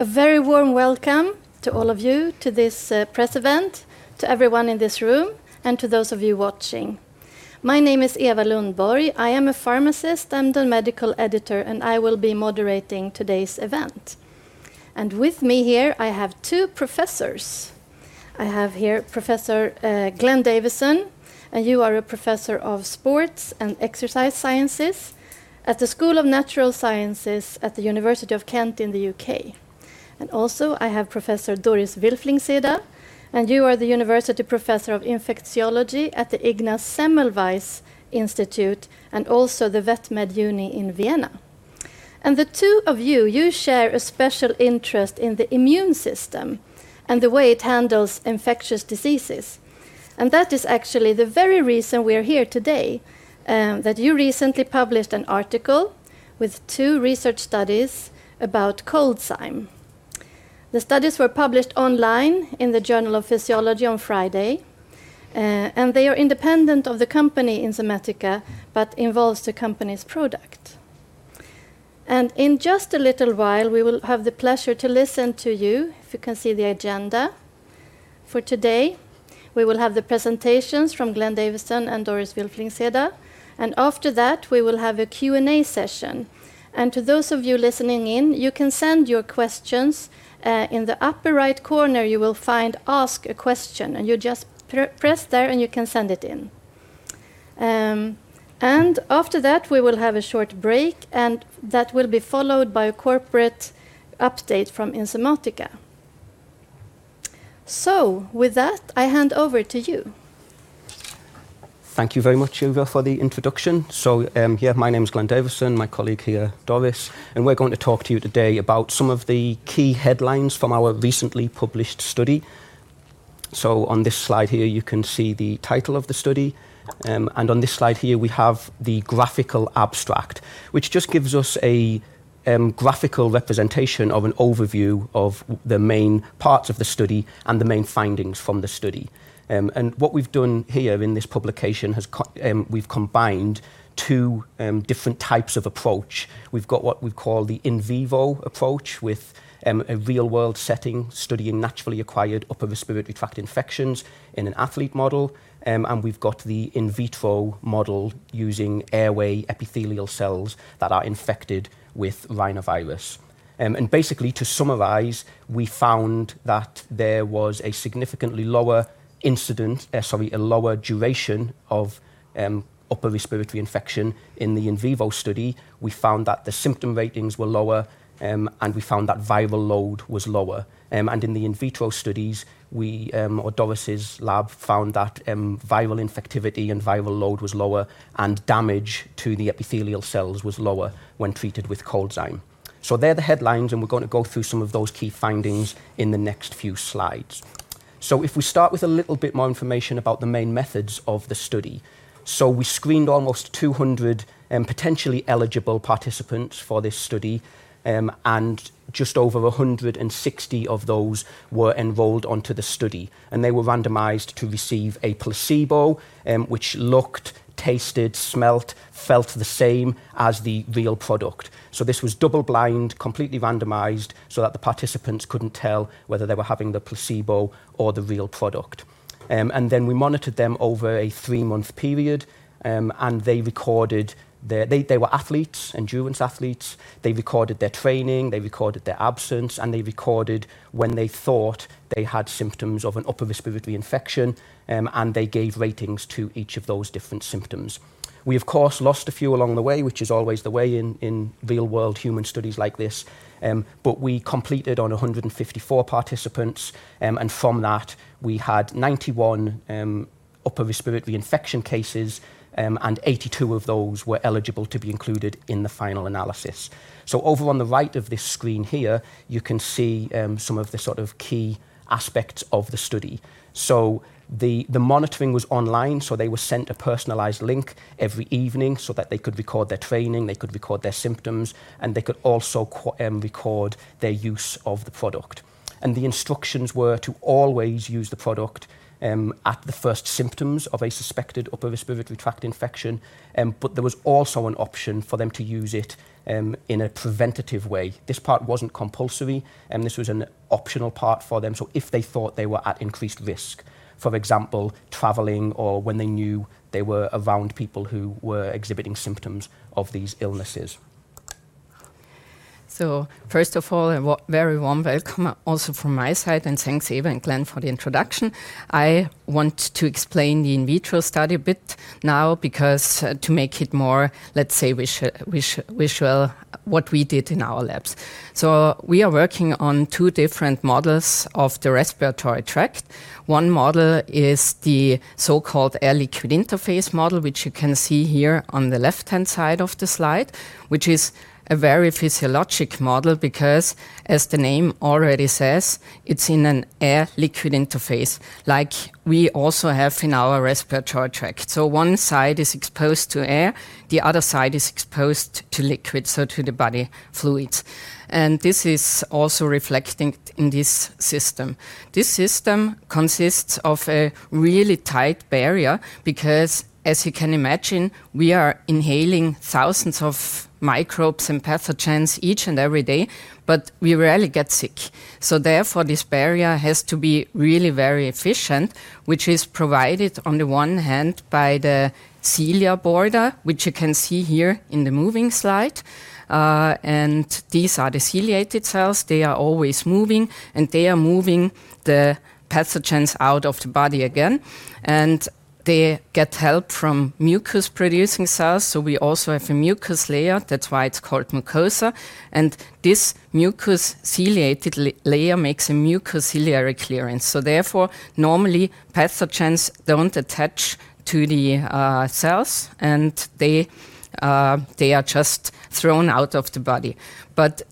A very warm welcome to all of you to this press event, to everyone in this room, and to those of you watching. My name is Eva Lundborg. I am a pharmacist, I'm the medical editor, and I will be moderating today's event. With me here, I have two professors. I have here Professor Glenn Davison, and you are a professor of sports and exercise sciences at the School of Natural Sciences at the University of Kent in the U.K. I also have Professor Doris Wilflingseder, and you are the university professor of infectiology at the Ignaz Semmelweis Institute and also the Vet Med Uni in Vienna. The two of you share a special interest in the immune system and the way it handles infectious diseases. That is actually the very reason we are here today, that you recently published an article with two research studies about ColdZyme. The studies were published online in the Journal of Physiology on Friday, and they are independent of the company Enzymatica, but involve the company's product. In just a little while, we will have the pleasure to listen to you, if you can see the agenda. For today, we will have the presentations from Glen Davison and Doris Wilflingseder, and after that, we will have a Q&A session. To those of you listening in, you can send your questions in the upper right corner, you will find "Ask a Question," and you just press there and you can send it in. After that, we will have a short break, and that will be followed by a corporate update from Enzymatica. With that, I hand over to you. Thank you very much, Eva, for the introduction. Yeah, my name is Glen Davison, my colleague here is Doris, and we're going to talk to you today about some of the key headlines from our recently published study. On this slide here, you can see the title of the study, and on this slide here, we have the graphical abstract, which just gives us a graphical representation of an overview of the main parts of the study and the main findings from the study. What we've done here in this publication is we've combined two different types of approach. We've got what we call the in vivo approach with a real-world setting, studying naturally acquired upper respiratory tract infections in an athlete model, and we've got the in vitro model using airway epithelial cells that are infected with rhinovirus. Basically, to summarize, we found that there was a significantly lower incident, sorry, a lower duration of upper respiratory infection in the in vivo study. We found that the symptom ratings were lower, and we found that viral load was lower. In the in vitro studies, we, or Doris's lab, found that viral infectivity and viral load was lower, and damage to the epithelial cells was lower when treated with ColdZyme. They are the headlines, and we are going to go through some of those key findings in the next few slides. If we start with a little bit more information about the main methods of the study. We screened almost 200 potentially eligible participants for this study, and just over 160 of those were enrolled onto the study, and they were randomized to receive a placebo, which looked, tasted, smelled, felt the same as the real product. This was double-blind, completely randomized, so that the participants could not tell whether they were having the placebo or the real product. They were monitored over a three-month period, and they recorded their, they were athletes, endurance athletes, they recorded their training, they recorded their absence, and they recorded when they thought they had symptoms of an upper respiratory infection, and they gave ratings to each of those different symptoms. We, of course, lost a few along the way, which is always the way in real-world human studies like this, but we completed on 154 participants, and from that, we had 91 upper respiratory infection cases, and 82 of those were eligible to be included in the final analysis. Over on the right of this screen here, you can see some of the sort of key aspects of the study. The monitoring was online, so they were sent a personalized link every evening so that they could record their training, they could record their symptoms, and they could also record their use of the product. The instructions were to always use the product at the first symptoms of a suspected upper respiratory tract infection, but there was also an option for them to use it in a preventative way. This part was not compulsory, and this was an optional part for them, so if they thought they were at increased risk, for example, traveling or when they knew they were around people who were exhibiting symptoms of these illnesses. First of all, a very warm welcome also from my side, and thanks Eva and Glen for the introduction. I want to explain the in vitro study a bit now because to make it more, let's say, visual, what we did in our labs. We are working on two different models of the respiratory tract. One model is the so-called air-liquid interface model, which you can see here on the left-hand side of the slide, which is a very physiologic model because, as the name already says, it is in an air-liquid interface, like we also have in our respiratory tract. One side is exposed to air, the other side is exposed to liquid, to the body fluids. This is also reflected in this system. This system consists of a really tight barrier because, as you can imagine, we are inhaling thousands of microbes and pathogens each and every day, but we rarely get sick. Therefore, this barrier has to be really very efficient, which is provided on the one hand by the cilia border, which you can see here in the moving slide. These are the ciliated cells, they are always moving, and they are moving the pathogens out of the body again. They get help from mucus-producing cells, so we also have a mucus layer, that's why it's called mucosa. This mucus-ciliated layer makes a mucociliary clearance. Therefore, normally, pathogens do not attach to the cells, and they are just thrown out of the body.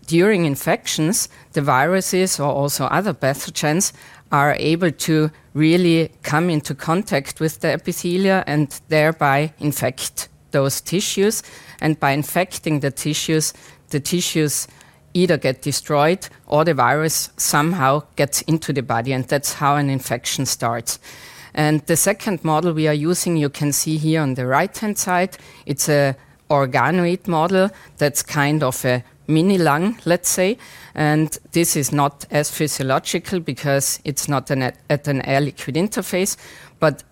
During infections, the viruses or also other pathogens are able to really come into contact with the epithelia and thereby infect those tissues. By infecting the tissues, the tissues either get destroyed or the virus somehow gets into the body, and that's how an infection starts. The second model we are using, you can see here on the right-hand side, is an organoid model that's kind of a mini-lung, let's say. This is not as physiological because it's not at an air-liquid interface.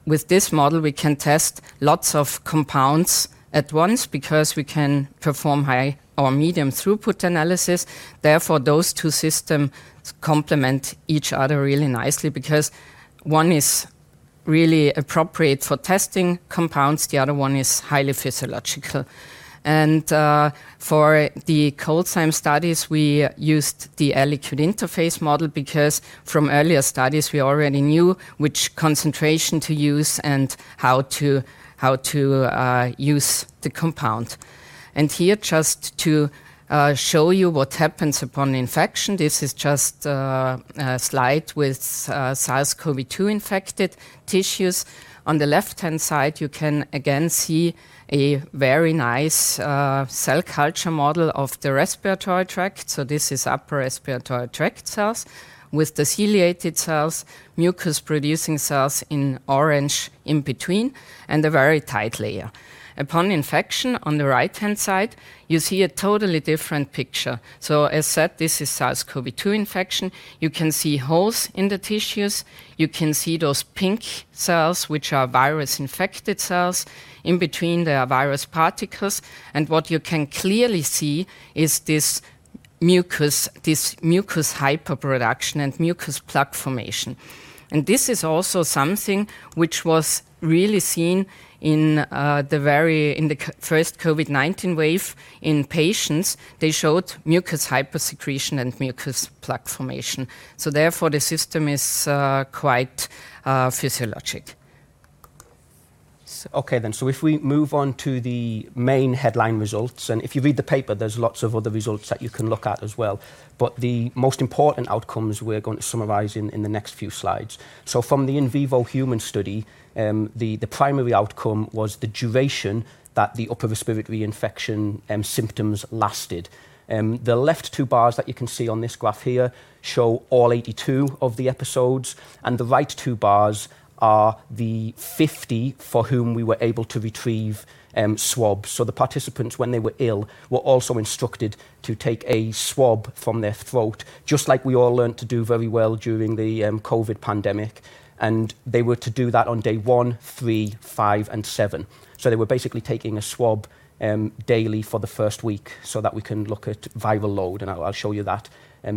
With this model, we can test lots of compounds at once because we can perform high or medium throughput analysis. Therefore, those two systems complement each other really nicely because one is really appropriate for testing compounds, the other one is highly physiological. For the ColdZyme studies, we used the air-liquid interface model because from earlier studies, we already knew which concentration to use and how to use the compound. Here, just to show you what happens upon infection, this is just a slide with SARS-CoV-2 infected tissues. On the left-hand side, you can again see a very nice cell culture model of the respiratory tract. This is upper respiratory tract cells with the ciliated cells, mucus-producing cells in orange in between, and a very tight layer. Upon infection on the right-hand side, you see a totally different picture. As said, this is SARS-CoV-2 infection. You can see holes in the tissues. You can see those pink cells, which are virus-infected cells. In between, there are virus particles. What you can clearly see is this mucus hyperproduction and mucus plug formation. This is also something which was really seen in the very, in the first COVID-19 wave in patients. They showed mucus hypersecretion and mucus plug formation. Therefore, the system is quite physiologic. Okay then, if we move on to the main headline results, and if you read the paper, there's lots of other results that you can look at as well. The most important outcomes we're going to summarize in the next few slides. From the in vivo human study, the primary outcome was the duration that the upper respiratory infection symptoms lasted. The left two bars that you can see on this graph here show all 82 of the episodes, and the right two bars are the 50 for whom we were able to retrieve swabs. The participants, when they were ill, were also instructed to take a swab from their throat, just like we all learned to do very well during the COVID pandemic. They were to do that on day one, three, five, and seven. They were basically taking a swab daily for the first week so that we can look at viral load, and I'll show you that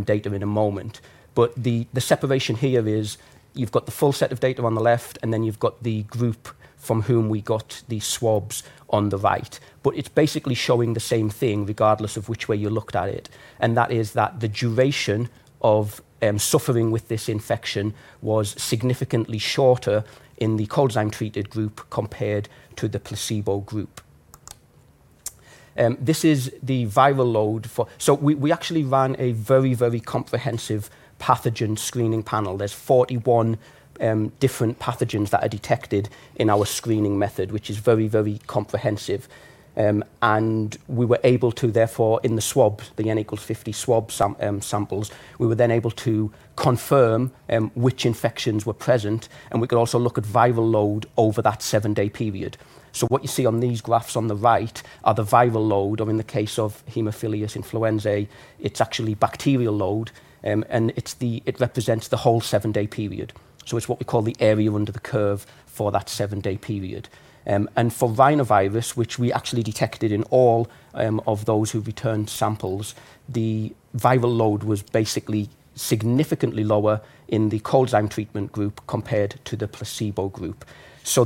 data in a moment. The separation here is you've got the full set of data on the left, and then you've got the group from whom we got the swabs on the right. It's basically showing the same thing regardless of which way you looked at it. That is that the duration of suffering with this infection was significantly shorter in the ColdZyme treated group compared to the placebo group. This is the viral load for, so we actually ran a very, very comprehensive pathogen screening panel. There are 41 different pathogens that are detected in our screening method, which is very, very comprehensive. We were able to, therefore, in the swab, the N equals 50 swab samples, we were then able to confirm which infections were present, and we could also look at viral load over that seven-day period. What you see on these graphs on the right are the viral load, or in the case of Haemophilus influenzae, it's actually bacterial load, and it represents the whole seven-day period. It is what we call the area under the curve for that seven-day period. For rhinovirus, which we actually detected in all of those who returned samples, the viral load was basically significantly lower in the ColdZyme treatment group compared to the placebo group.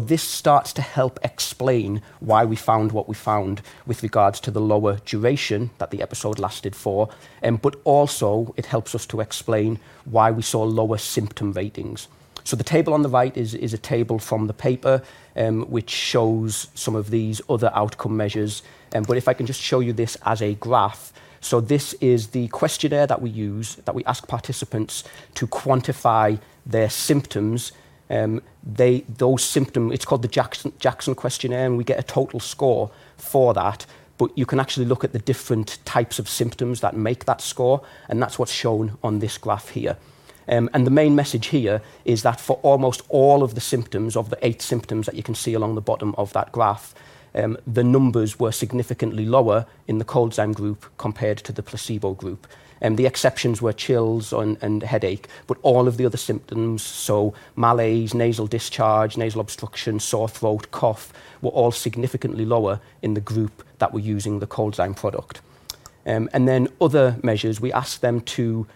This starts to help explain why we found what we found with regards to the lower duration that the episode lasted for, but also it helps us to explain why we saw lower symptom ratings. The table on the right is a table from the paper, which shows some of these other outcome measures. If I can just show you this as a graph. This is the questionnaire that we use that we ask participants to quantify their symptoms. Those symptoms, it's called the Jackson questionnaire, and we get a total score for that. You can actually look at the different types of symptoms that make that score, and that's what's shown on this graph here. The main message here is that for almost all of the symptoms of the eight symptoms that you can see along the bottom of that graph, the numbers were significantly lower in the ColdZyme group compared to the placebo group. The exceptions were chills and headache, but all of the other symptoms, so malaise, nasal discharge, nasal obstruction, sore throat, cough, were all significantly lower in the group that were using the ColdZyme product. Other measures, we asked them to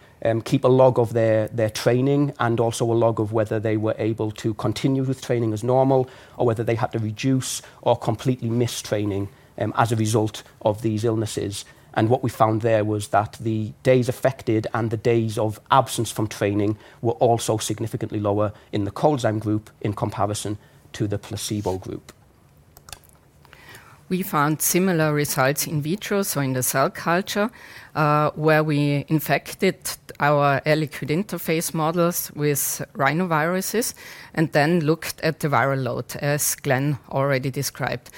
keep a log of their training and also a log of whether they were able to continue with training as normal or whether they had to reduce or completely miss training as a result of these illnesses. What we found there was that the days affected and the days of absence from training were also significantly lower in the ColdZyme group in comparison to the placebo group. We found similar results in vitro, so in the cell culture, where we infected our air-liquid interface models with rhinoviruses and then looked at the viral load, as Glen already described.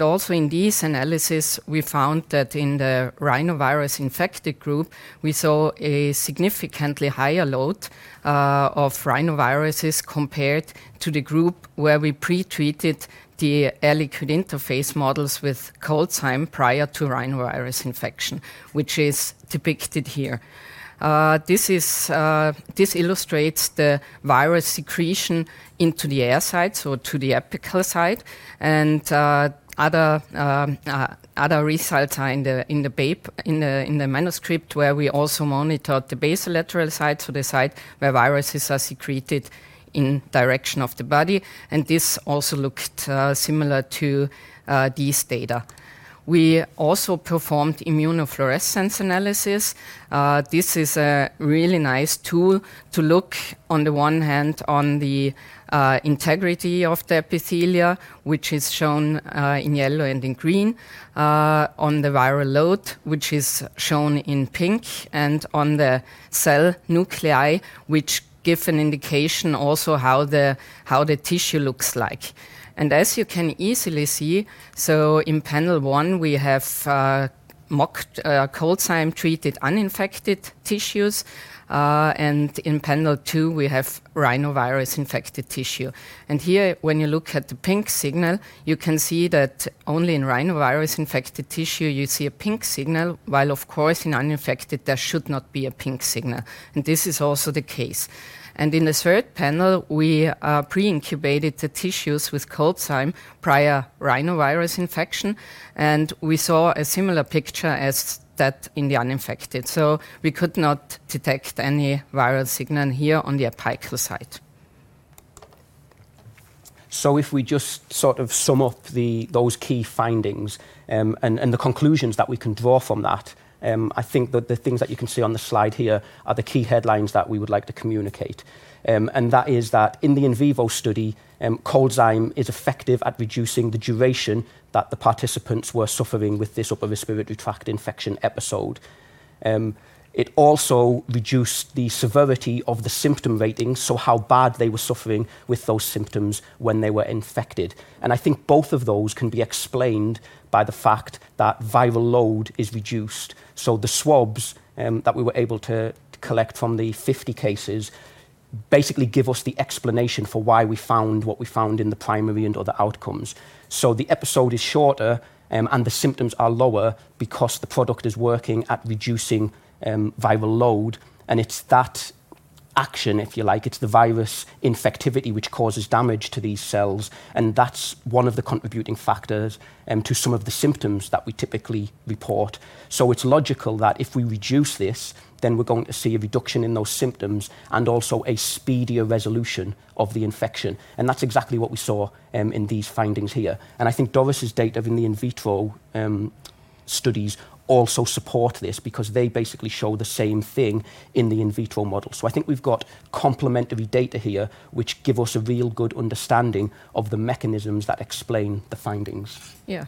Also in these analyses, we found that in the rhinovirus-infected group, we saw a significantly higher load of rhinoviruses compared to the group where we pre-treated the air-liquid interface models with ColdZyme prior to rhinovirus infection, which is depicted here. This illustrates the virus secretion into the air side, so to the apical side. Other results are in the manuscript where we also monitored the basolateral side, so the side where viruses are secreted in direction of the body. This also looked similar to these data. We also performed immunofluorescence analysis. This is a really nice tool to look, on the one hand, on the integrity of the epithelia, which is shown in yellow and in green, on the viral load, which is shown in pink, and on the cell nuclei, which give an indication also how the tissue looks like. As you can easily see, in panel one, we have mock ColdZyme treated uninfected tissues, and in panel two, we have rhinovirus infected tissue. Here, when you look at the pink signal, you can see that only in rhinovirus infected tissue, you see a pink signal, while of course in uninfected, there should not be a pink signal. This is also the case. In the third panel, we pre-incubated the tissues with ColdZyme prior to rhinovirus infection, and we saw a similar picture as that in the uninfected. We could not detect any viral signal here on the apical side. If we just sort of sum up those key findings and the conclusions that we can draw from that, I think that the things that you can see on the slide here are the key headlines that we would like to communicate. That is that in the in vivo study, ColdZyme is effective at reducing the duration that the participants were suffering with this upper respiratory tract infection episode. It also reduced the severity of the symptom ratings, so how bad they were suffering with those symptoms when they were infected. I think both of those can be explained by the fact that viral load is reduced. The swabs that we were able to collect from the 50 cases basically give us the explanation for why we found what we found in the primary and other outcomes. The episode is shorter and the symptoms are lower because the product is working at reducing viral load. It is that action, if you like, it is the virus infectivity which causes damage to these cells. That is one of the contributing factors to some of the symptoms that we typically report. It is logical that if we reduce this, then we are going to see a reduction in those symptoms and also a speedier resolution of the infection. That is exactly what we saw in these findings here. I think Doris's data in the in vivo studies also support this because they basically show the same thing in the in vivo model. I think we have got complementary data here which give us a real good understanding of the mechanisms that explain the findings. Yeah,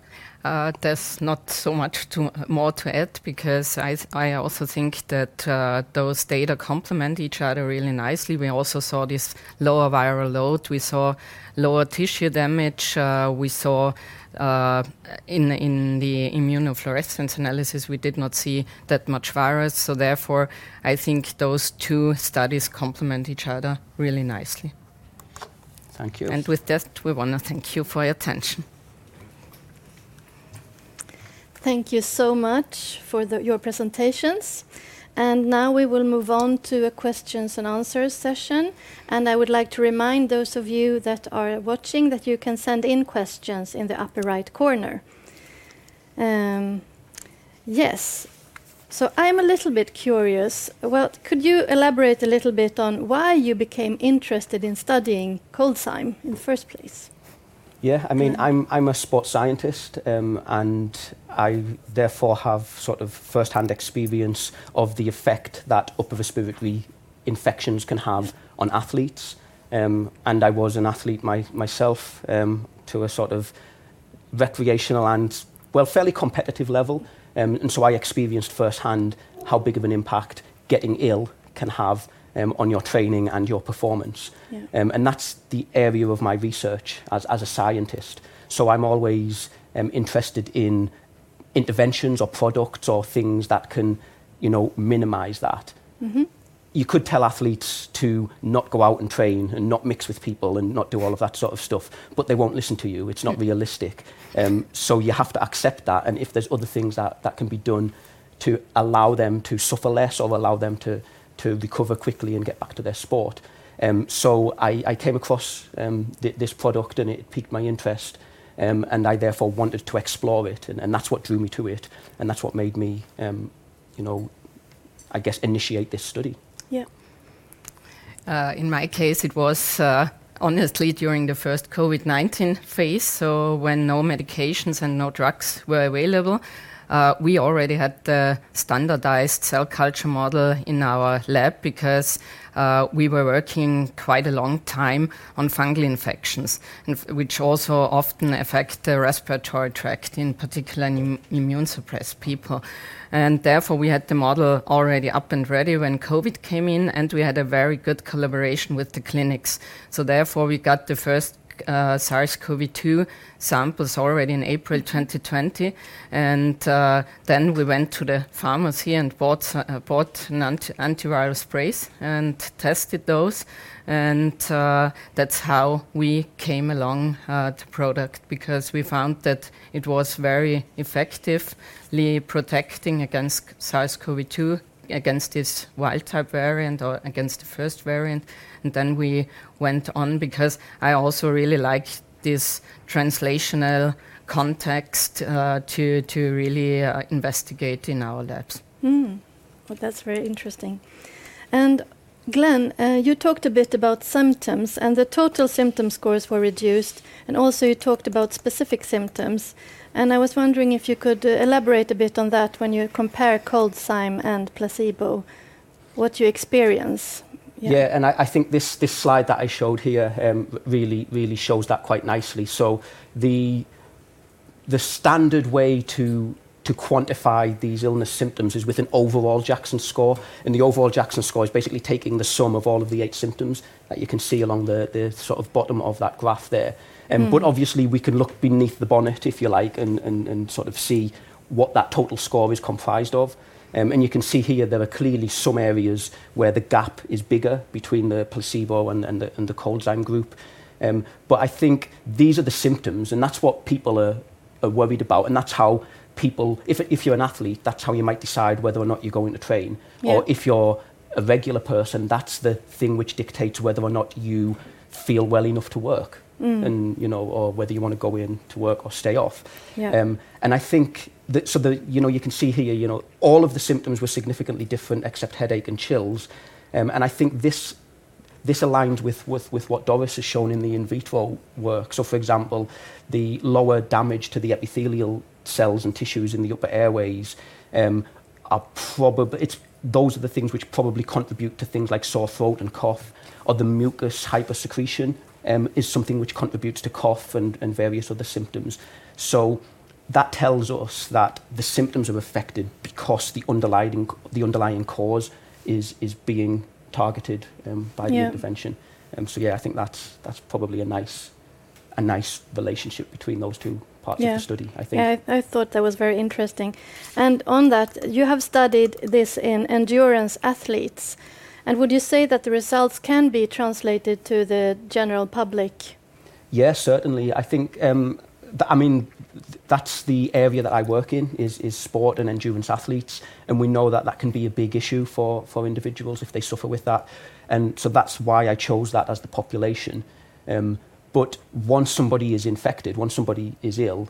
there's not so much more to add because I also think that those data complement each other really nicely. We also saw this lower viral load. We saw lower tissue damage. We saw in the immunofluorescence analysis, we did not see that much virus. Therefore, I think those two studies complement each other really nicely. Thank you. We want to thank you for your attention. Thank you so much for your presentations. Now we will move on to a questions and answers session. I would like to remind those of you that are watching that you can send in questions in the upper right corner. Yes, I am a little bit curious. Could you elaborate a little bit on why you became interested in studying ColdZyme in the first place? Yeah, I mean, I'm a sports scientist and I therefore have sort of firsthand experience of the effect that upper respiratory infections can have on athletes. I was an athlete myself to a sort of recreational and, well, fairly competitive level. I experienced firsthand how big of an impact getting ill can have on your training and your performance. That's the area of my research as a scientist. I'm always interested in interventions or products or things that can minimize that. You could tell athletes to not go out and train and not mix with people and not do all of that sort of stuff, but they won't listen to you. It's not realistic. You have to accept that. If there are other things that can be done to allow them to suffer less or allow them to recover quickly and get back to their sport, I came across this product and it piqued my interest and I therefore wanted to explore it. That is what drew me to it. That is what made me, I guess, initiate this study. Yeah. In my case, it was honestly during the first COVID-19 phase. When no medications and no drugs were available, we already had the standardized cell culture model in our lab because we were working quite a long time on fungal infections, which also often affect the respiratory tract, in particular immune suppressed people. Therefore, we had the model already up and ready when COVID came in and we had a very good collaboration with the clinics. Therefore, we got the first SARS-CoV-2 samples already in April 2020. We went to the pharmacy and bought antiviral sprays and tested those. That's how we came along to product because we found that it was very effectively protecting against SARS-CoV-2, against this wild type variant or against the first variant. Then we went on because I also really like this translational context to really investigate in our labs. That is very interesting. Glenn, you talked a bit about symptoms and the total symptom scores were reduced. You also talked about specific symptoms. I was wondering if you could elaborate a bit on that when you compare ColdZyme and placebo, what you experience. Yeah, I think this slide that I showed here really shows that quite nicely. The standard way to quantify these illness symptoms is with an overall Jackson score. The overall Jackson score is basically taking the sum of all of the eight symptoms that you can see along the sort of bottom of that graph there. Obviously, we can look beneath the bonnet if you like and sort of see what that total score is comprised of. You can see here there are clearly some areas where the gap is bigger between the placebo and the ColdZyme group. I think these are the symptoms and that's what people are worried about. That's how people, if you're an athlete, that's how you might decide whether or not you're going to train. If you're a regular person, that's the thing which dictates whether or not you feel well enough to work or whether you want to go in to work or stay off. I think that, you can see here, all of the symptoms were significantly different except headache and chills. I think this aligns with what Doris has shown in the in vivo work. For example, the lower damage to the epithelial cells and tissues in the upper airways are probably, those are the things which probably contribute to things like sore throat and cough. The mucus hypersecretion is something which contributes to cough and various other symptoms. That tells us that the symptoms are affected because the underlying cause is being targeted by the intervention. I think that's probably a nice relationship between those two parts of the study, I think. Yeah, I thought that was very interesting. On that, you have studied this in endurance athletes. Would you say that the results can be translated to the general public? Yes, certainly. I think, I mean, that's the area that I work in is sport and endurance athletes. We know that that can be a big issue for individuals if they suffer with that. That is why I chose that as the population. Once somebody is infected, once somebody is ill,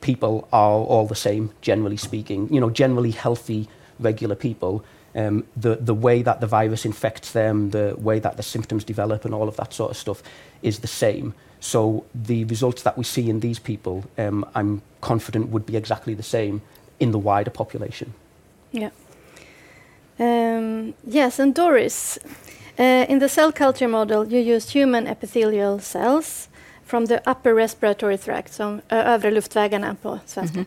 people are all the same, generally speaking, generally healthy, regular people. The way that the virus infects them, the way that the symptoms develop and all of that sort of stuff is the same. The results that we see in these people, I'm confident would be exactly the same in the wider population. Yeah. Yes, and Doris, in the cell culture model, you used human epithelial cells from the upper respiratory tract, so övre luftvägarna på svenska.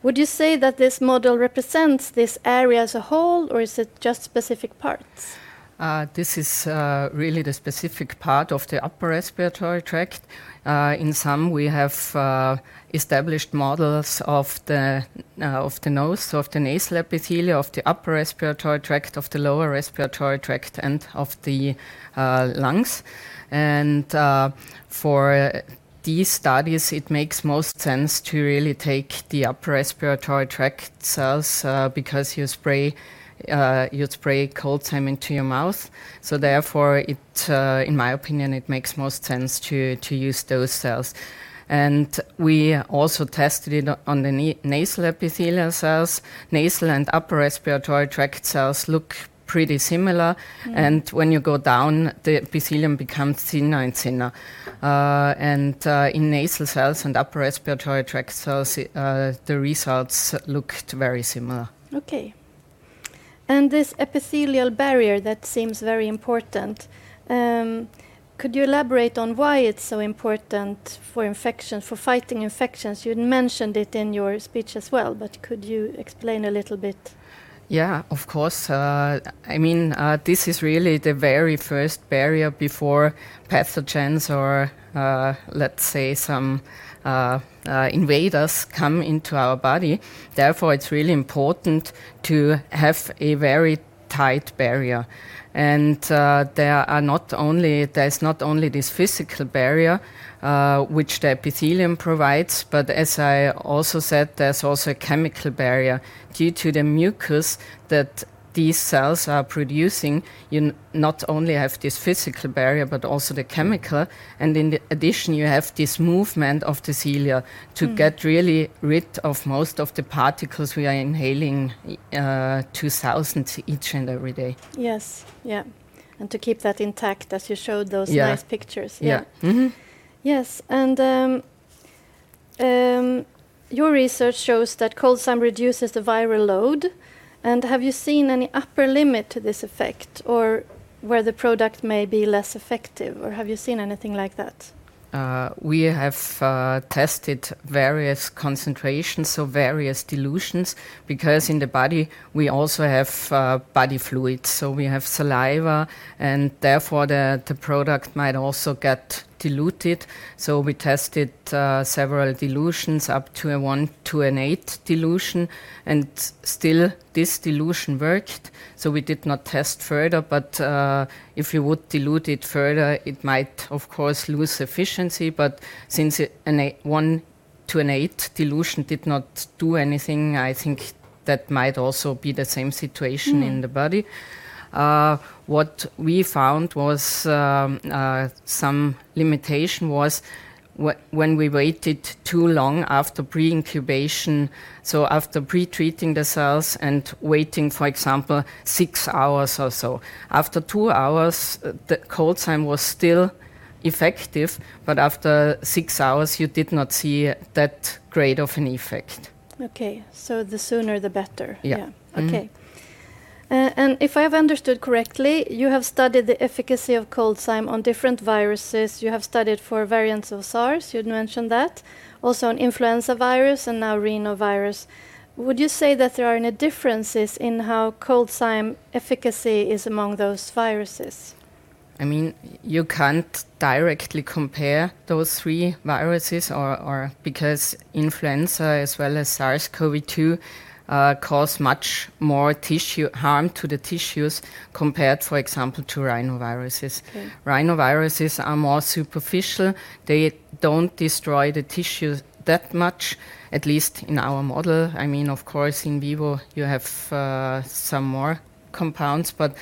Would you say that this model represents this area as a whole or is it just specific parts? This is really the specific part of the upper respiratory tract. In some, we have established models of the nose, of the nasal epithelium, of the upper respiratory tract, of the lower respiratory tract, and of the lungs. For these studies, it makes most sense to really take the upper respiratory tract cells because you spray ColdZyme into your mouth. Therefore, in my opinion, it makes most sense to use those cells. We also tested it on the nasal epithelial cells. Nasal and upper respiratory tract cells look pretty similar. When you go down, the epithelium becomes thinner and thinner. In nasal cells and upper respiratory tract cells, the results looked very similar. Okay. This epithelial barrier that seems very important, could you elaborate on why it's so important for infection, for fighting infections? You mentioned it in your speech as well, but could you explain a little bit? Yeah, of course. I mean, this is really the very first barrier before pathogens or let's say some invaders come into our body. Therefore, it's really important to have a very tight barrier. There is not only this physical barrier which the epithelium provides, but as I also said, there's also a chemical barrier due to the mucus that these cells are producing. You not only have this physical barrier, but also the chemical. In addition, you have this movement of the cilia to get really rid of most of the particles we are inhaling, 2,000 each and every day. Yes, yeah. To keep that intact as you showed those nice pictures. Yes. Your research shows that ColdZyme reduces the viral load. Have you seen any upper limit to this effect or where the product may be less effective, or have you seen anything like that? We have tested various concentrations, so various dilutions because in the body, we also have body fluids. We have saliva and therefore the product might also get diluted. We tested several dilutions up to a 1 to 8 dilution. Still, this dilution worked. We did not test further. If you would dilute it further, it might, of course, lose efficiency. Since a 1 to 8 dilution did not do anything, I think that might also be the same situation in the body. What we found was some limitation was when we waited too long after pre-incubation, so after pretreating the cells and waiting, for example, six hours or so. After two hours, the ColdZyme was still effective, but after six hours, you did not see that great of an effect. Okay. The sooner, the better. Yeah. Yeah. Okay. If I have understood correctly, you have studied the efficacy of ColdZyme on different viruses. You have studied for variants of SARS, you mentioned that, also on influenza virus and now rhinovirus. Would you say that there are any differences in how ColdZyme efficacy is among those viruses? I mean, you can't directly compare those three viruses because influenza as well as SARS-CoV-2 cause much more tissue harm to the tissues compared, for example, to rhinoviruses. Rhinoviruses are more superficial. They don't destroy the tissue that much, at least in our model. I mean, of course, in vivo, you have some more compounds, but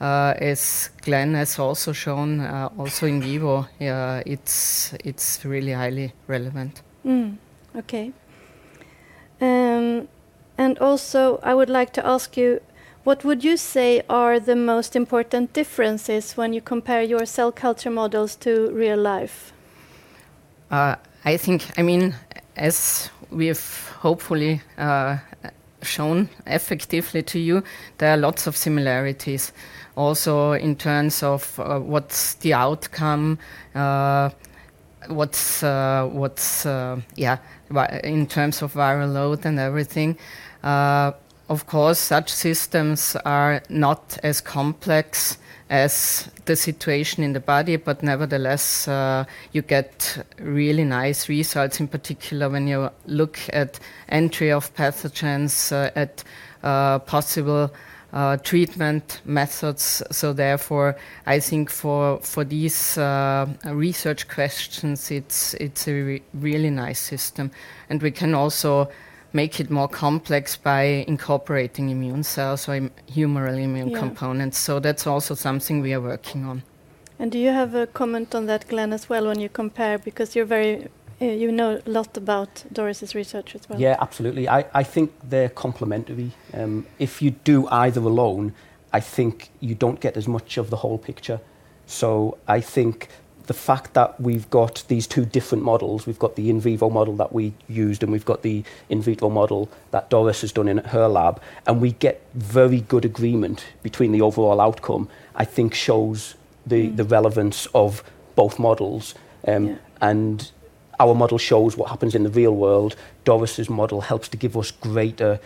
as Glen has also shown, also in vivo, it's really highly relevant. Okay. I would like to ask you, what would you say are the most important differences when you compare your cell culture models to real life? I think, I mean, as we've hopefully shown effectively to you, there are lots of similarities. Also in terms of what's the outcome, what's, yeah, in terms of viral load and everything. Of course, such systems are not as complex as the situation in the body, but nevertheless, you get really nice results, in particular when you look at entry of pathogens, at possible treatment methods. Therefore, I think for these research questions, it's a really nice system. We can also make it more complex by incorporating immune cells or humoral immune components. That's also something we are working on. Do you have a comment on that, Glenn, as well when you compare because you know a lot about Doris's research as well? Yeah, absolutely. I think they're complementary. If you do either alone, I think you don't get as much of the whole picture. I think the fact that we've got these two different models, we've got the in vivo model that we used and we've got the in vitro model that Doris has done in her lab, and we get very good agreement between the overall outcome, I think shows the relevance of both models. Our model shows what happens in the real world. Doris's model helps to give us greater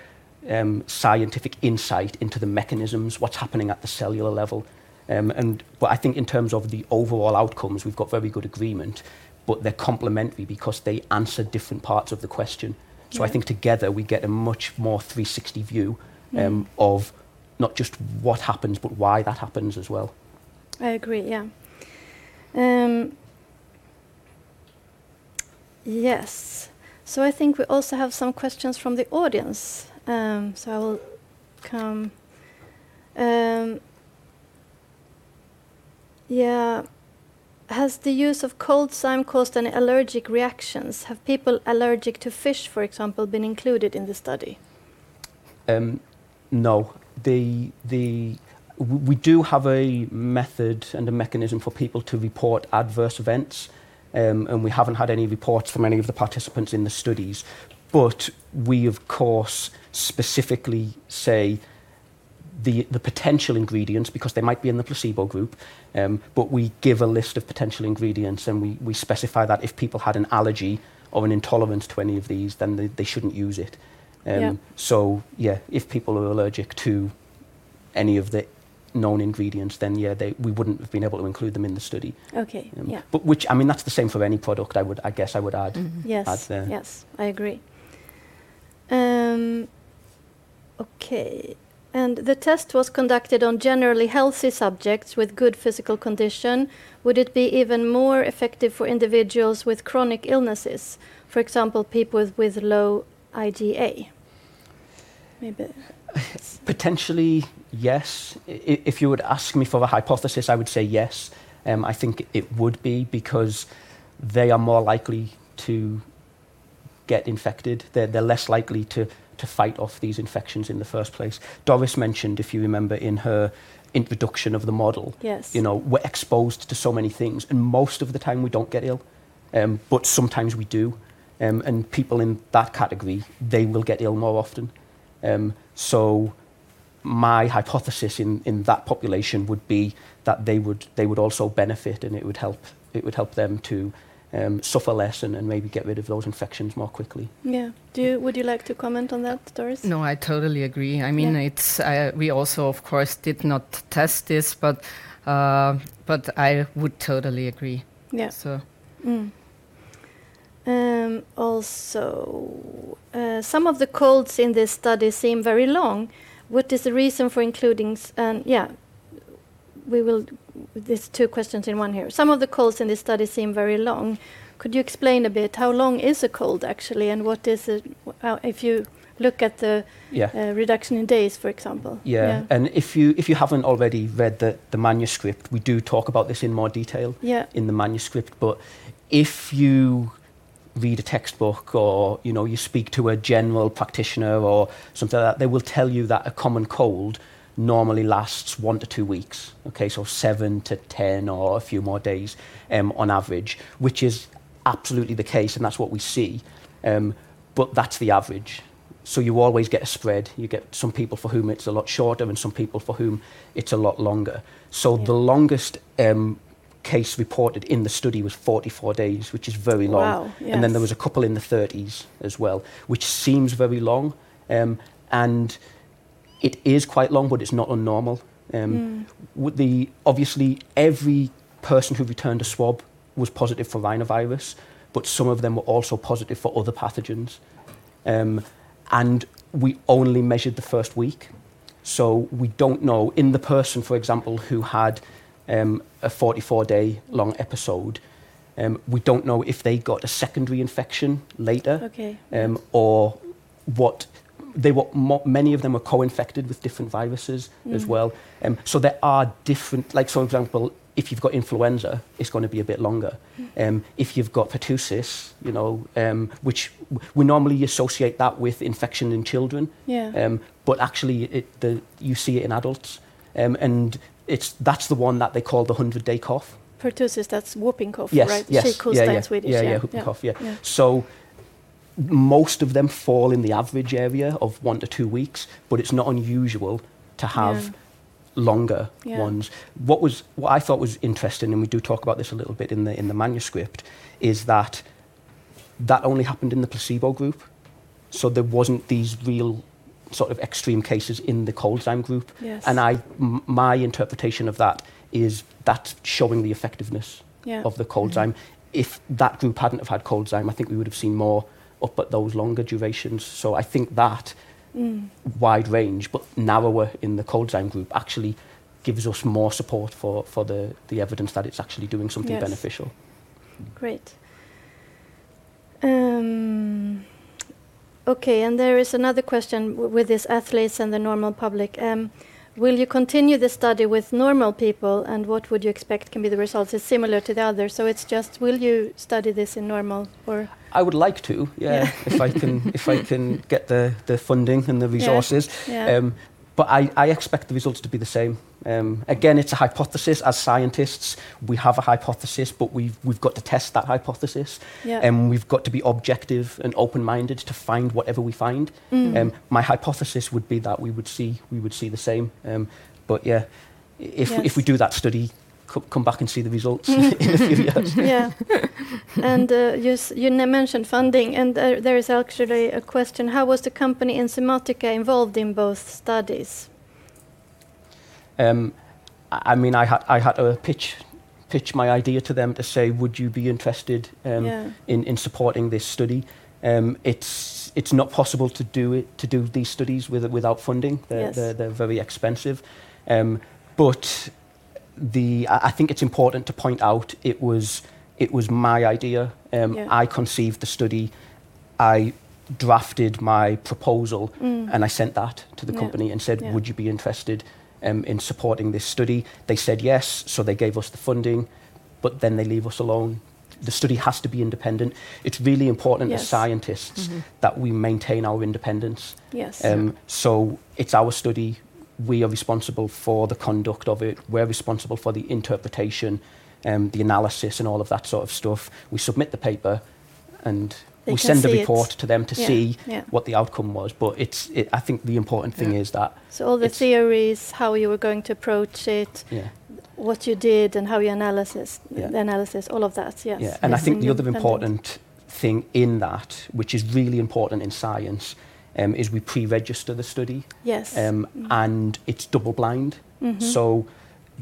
scientific insight into the mechanisms, what's happening at the cellular level. I think in terms of the overall outcomes, we've got very good agreement, but they're complementary because they answer different parts of the question. I think together we get a much more 360 view of not just what happens, but why that happens as well. I agree, yeah. Yes. I think we also have some questions from the audience. I will come. Has the use of ColdZyme caused any allergic reactions? Have people allergic to fish, for example, been included in the study? No. We do have a method and a mechanism for people to report adverse events. We haven't had any reports from any of the participants in the studies. We, of course, specifically say the potential ingredients because they might be in the placebo group, but we give a list of potential ingredients and we specify that if people had an allergy or an intolerance to any of these, then they shouldn't use it. Yeah, if people are allergic to any of the known ingredients, then yeah, we wouldn't have been able to include them in the study. Okay. Yeah. Which, I mean, that's the same for any product, I guess I would add. Yes. Yes, I agree. Okay. The test was conducted on generally healthy subjects with good physical condition. Would it be even more effective for individuals with chronic illnesses, for example, people with low IgA? Maybe. Potentially, yes. If you would ask me for a hypothesis, I would say yes. I think it would be because they are more likely to get infected. They're less likely to fight off these infections in the first place. Doris mentioned, if you remember, in her introduction of the model, we're exposed to so many things. Most of the time we don't get ill, but sometimes we do. People in that category, they will get ill more often. My hypothesis in that population would be that they would also benefit and it would help them to suffer less and maybe get rid of those infections more quickly. Yeah. Would you like to comment on that, Doris? No, I totally agree. I mean, we also, of course, did not test this, but I would totally agree. Yeah. Also, some of the colds in this study seem very long. What is the reason for including? Yeah, there are two questions in one here. Some of the colds in this study seem very long. Could you explain a bit how long is a cold actually and what is it if you look at the reduction in days, for example? Yeah. If you haven't already read the manuscript, we do talk about this in more detail in the manuscript. If you read a textbook or you speak to a general practitioner or something like that, they will tell you that a common cold normally lasts one to two weeks, okay? Seven to ten or a few more days on average, which is absolutely the case and that's what we see. That's the average. You always get a spread. You get some people for whom it's a lot shorter and some people for whom it's a lot longer. The longest case reported in the study was 44 days, which is very long. Wow. Yeah. There was a couple in the 30s as well, which seems very long. It is quite long, but it's not unnormal. Obviously, every person who returned a swab was positive for rhinovirus, but some of them were also positive for other pathogens. We only measured the first week. We don't know in the person, for example, who had a 44-day long episode, we don't know if they got a secondary infection later or what. Many of them were co-infected with different viruses as well. There are different, like for example, if you've got influenza, it's going to be a bit longer. If you've got pertussis, which we normally associate that with infection in children, but actually you see it in adults. That's the one that they call the 100-day cough. Pertussis, that's whooping cough, right? Yes. She coughs that Swedish. Yeah, yeah, whooping cough, yeah. Most of them fall in the average area of one to two weeks, but it's not unusual to have longer ones. What I thought was interesting, and we do talk about this a little bit in the manuscript, is that that only happened in the placebo group. There weren't these real sort of extreme cases in the ColdZyme group. My interpretation of that is that's showing the effectiveness of the ColdZyme. If that group hadn't have had ColdZyme, I think we would have seen more up at those longer durations. I think that wide range, but nowhere in the ColdZyme group, actually gives us more support for the evidence that it's actually doing something beneficial. Great. Okay. There is another question with this athletes and the normal public. Will you continue the study with normal people and what would you expect? Can the results be similar to the others? It is just, will you study this in normal or? I would like to, yeah, if I can get the funding and the resources. I expect the results to be the same. Again, it's a hypothesis as scientists. We have a hypothesis, but we've got to test that hypothesis. We've got to be objective and open-minded to find whatever we find. My hypothesis would be that we would see the same. Yeah, if we do that study, come back and see the results in a few years. Yeah. You mentioned funding. There is actually a question, how was the company Enzymatica involved in both studies? I mean, I had to pitch my idea to them to say, would you be interested in supporting this study? It's not possible to do these studies without funding. They're very expensive. I think it's important to point out it was my idea. I conceived the study. I drafted my proposal and I sent that to the company and said, would you be interested in supporting this study? They said yes. They gave us the funding, but then they leave us alone. The study has to be independent. It's really important as scientists that we maintain our independence. It's our study. We are responsible for the conduct of it. We're responsible for the interpretation, the analysis, and all of that sort of stuff. We submit the paper and we send the report to them to see what the outcome was. I think the important thing is that. All the theories, how you were going to approach it, what you did and how you analysis the analysis, all of that, yes. Yeah. I think the other important thing in that, which is really important in science, is we pre-register the study. It is double-blind.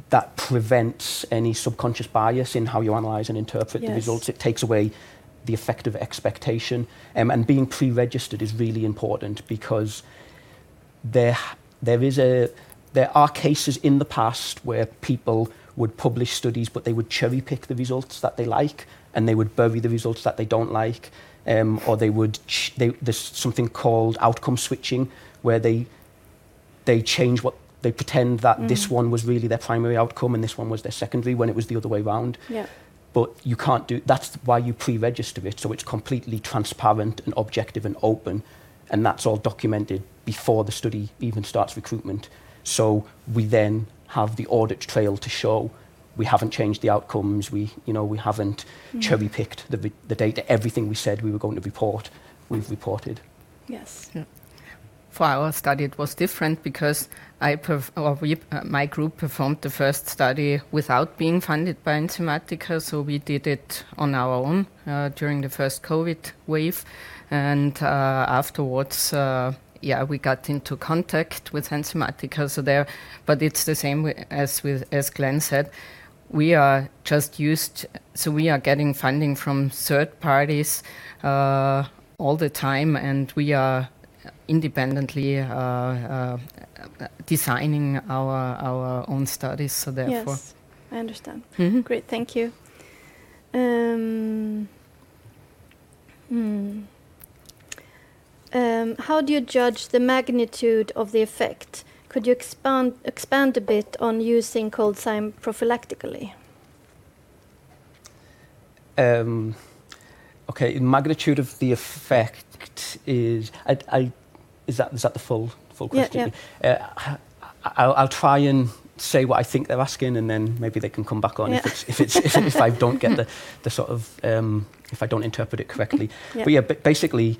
That prevents any subconscious bias in how you analyze and interpret the results. It takes away the effect of expectation. Being pre-registered is really important because there are cases in the past where people would publish studies, but they would cherry-pick the results that they like and they would bury the results that they do not like. There is something called outcome switching where they change what they pretend was really their primary outcome and this one was their secondary when it was the other way around. You cannot do that, that is why you pre-register it. It is completely transparent and objective and open. That is all documented before the study even starts recruitment. We then have the audit trail to show we haven't changed the outcomes. We haven't cherry-picked the data. Everything we said we were going to report, we've reported. Yes. For our study, it was different because my group performed the first study without being funded by Enzymatica. We did it on our own during the first COVID wave. Afterwards, yeah, we got into contact with Enzymatica there. It is the same as Glen said. We are just used, so we are getting funding from third parties all the time. We are independently designing our own studies. Therefore. Yes. I understand. Great. Thank you. How do you judge the magnitude of the effect? Could you expand a bit on using ColdZyme prophylactically? Okay. The magnitude of the effect is, is that the full question? Yeah. I'll try and say what I think they're asking and then maybe they can come back on if I don't get the sort of, if I don't interpret it correctly. Yeah, basically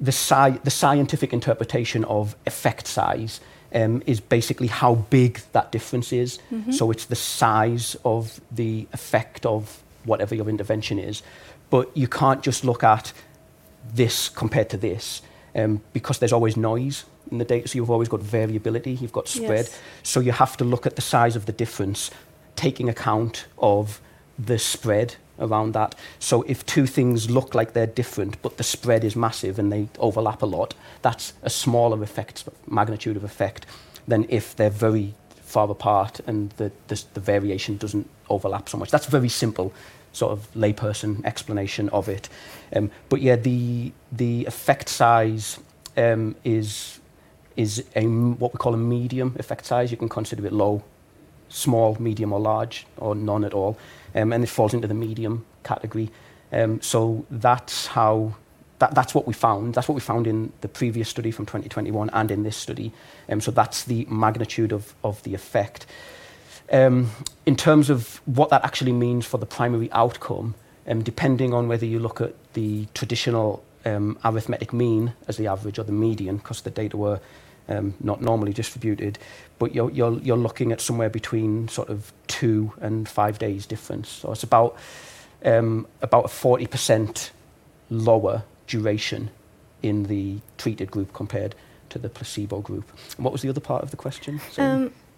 the scientific interpretation of effect size is basically how big that difference is. It is the size of the effect of whatever your intervention is. You can't just look at this compared to this because there's always noise in the data. You've always got variability. You've got spread. You have to look at the size of the difference taking account of the spread around that. If two things look like they're different, but the spread is massive and they overlap a lot, that's a smaller effect, magnitude of effect than if they're very far apart and the variation doesn't overlap so much. That's a very simple sort of layperson explanation of it. Yeah, the effect size is what we call a medium effect size. You can consider it low, small, medium, or large, or none at all. It falls into the medium category. That's what we found. That's what we found in the previous study from 2021 and in this study. That's the magnitude of the effect. In terms of what that actually means for the primary outcome, depending on whether you look at the traditional arithmetic mean as the average or the median, because the data were not normally distributed, you're looking at somewhere between two and five days difference. It's about a 40% lower duration in the treated group compared to the placebo group. What was the other part of the question?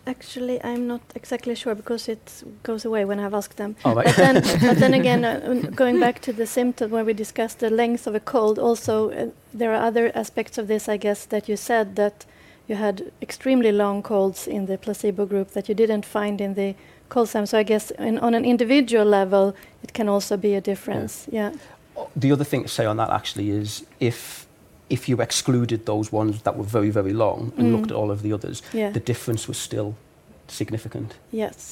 Actually, I'm not exactly sure because it goes away when I've asked them. All right. Then again, going back to the symptom where we discussed the length of a cold, also there are other aspects of this, I guess, that you said that you had extremely long colds in the placebo group that you did not find in the ColdZyme. I guess on an individual level, it can also be a difference. Yeah. The other thing to say on that actually is if you excluded those ones that were very, very long and looked at all of the others, the difference was still significant. It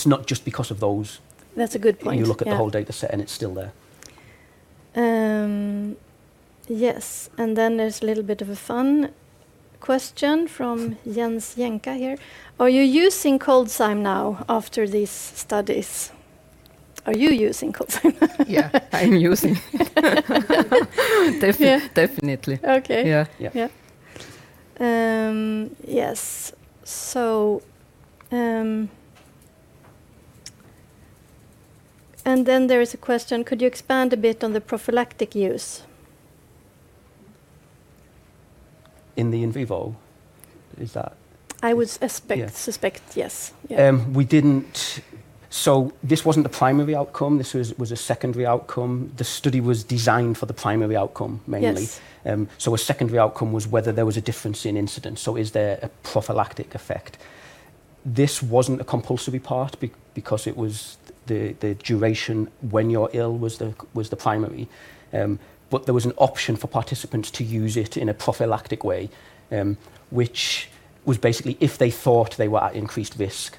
is not just because of those. That's a good point. You look at the whole dataset and it's still there. Yes. There is a little bit of a fun question from Jens Jänkä here. Are you using ColdZyme now after these studies? Are you using ColdZyme? Yeah, I'm using. Definitely. Okay. Yes. There is a question, could you expand a bit on the prophylactic use? In the in vivo? Is that? I would suspect, yes. This was not the primary outcome. This was a secondary outcome. The study was designed for the primary outcome mainly. A secondary outcome was whether there was a difference in incidence. Is there a prophylactic effect? This was not a compulsory part because the duration when you are ill was the primary. There was an option for participants to use it in a prophylactic way, which was basically if they thought they were at increased risk,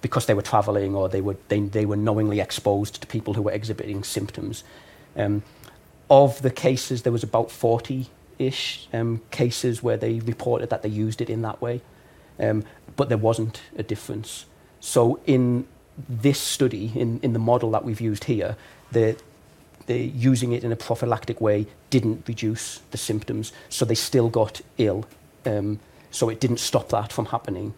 because they were traveling or they were knowingly exposed to people who were exhibiting symptoms. Of the cases, there were about 40-ish cases where they reported that they used it in that way. There was not a difference. In this study, in the model that we have used here, using it in a prophylactic way did not reduce the symptoms. They still got ill. It did not stop that from happening.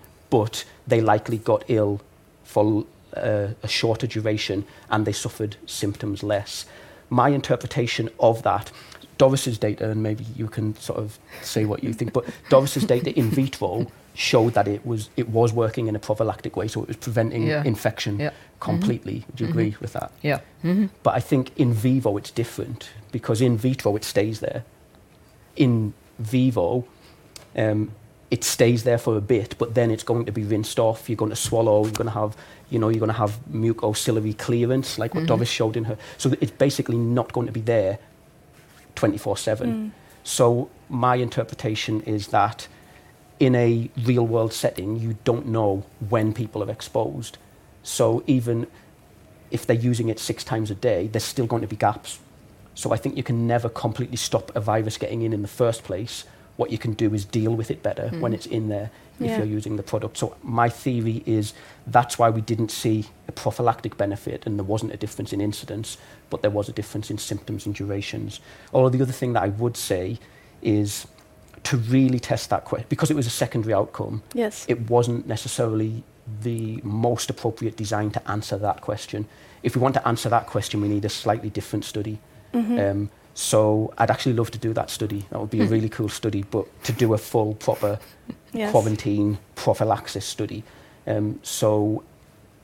They likely got ill for a shorter duration and they suffered symptoms less. My interpretation of that, Doris's data, and maybe you can sort of say what you think, but Doris's data in vitro showed that it was working in a prophylactic way. It was preventing infection completely. Would you agree with that? Yeah. I think in vivo, it's different because in vitro, it stays there. In vivo, it stays there for a bit, but then it's going to be rinsed off. You're going to swallow. You're going to have mucosal clearance, like what Doris showed in her. It's basically not going to be there 24/7. My interpretation is that in a real-world setting, you don't know when people are exposed. Even if they're using it six times a day, there's still going to be gaps. I think you can never completely stop a virus getting in in the first place. What you can do is deal with it better when it's in there if you're using the product. My theory is that's why we didn't see a prophylactic benefit and there wasn't a difference in incidence, but there was a difference in symptoms and durations. Although the other thing that I would say is to really test that question because it was a secondary outcome. It was not necessarily the most appropriate design to answer that question. If we want to answer that question, we need a slightly different study. I would actually love to do that study. That would be a really cool study, to do a full proper quarantine prophylaxis study.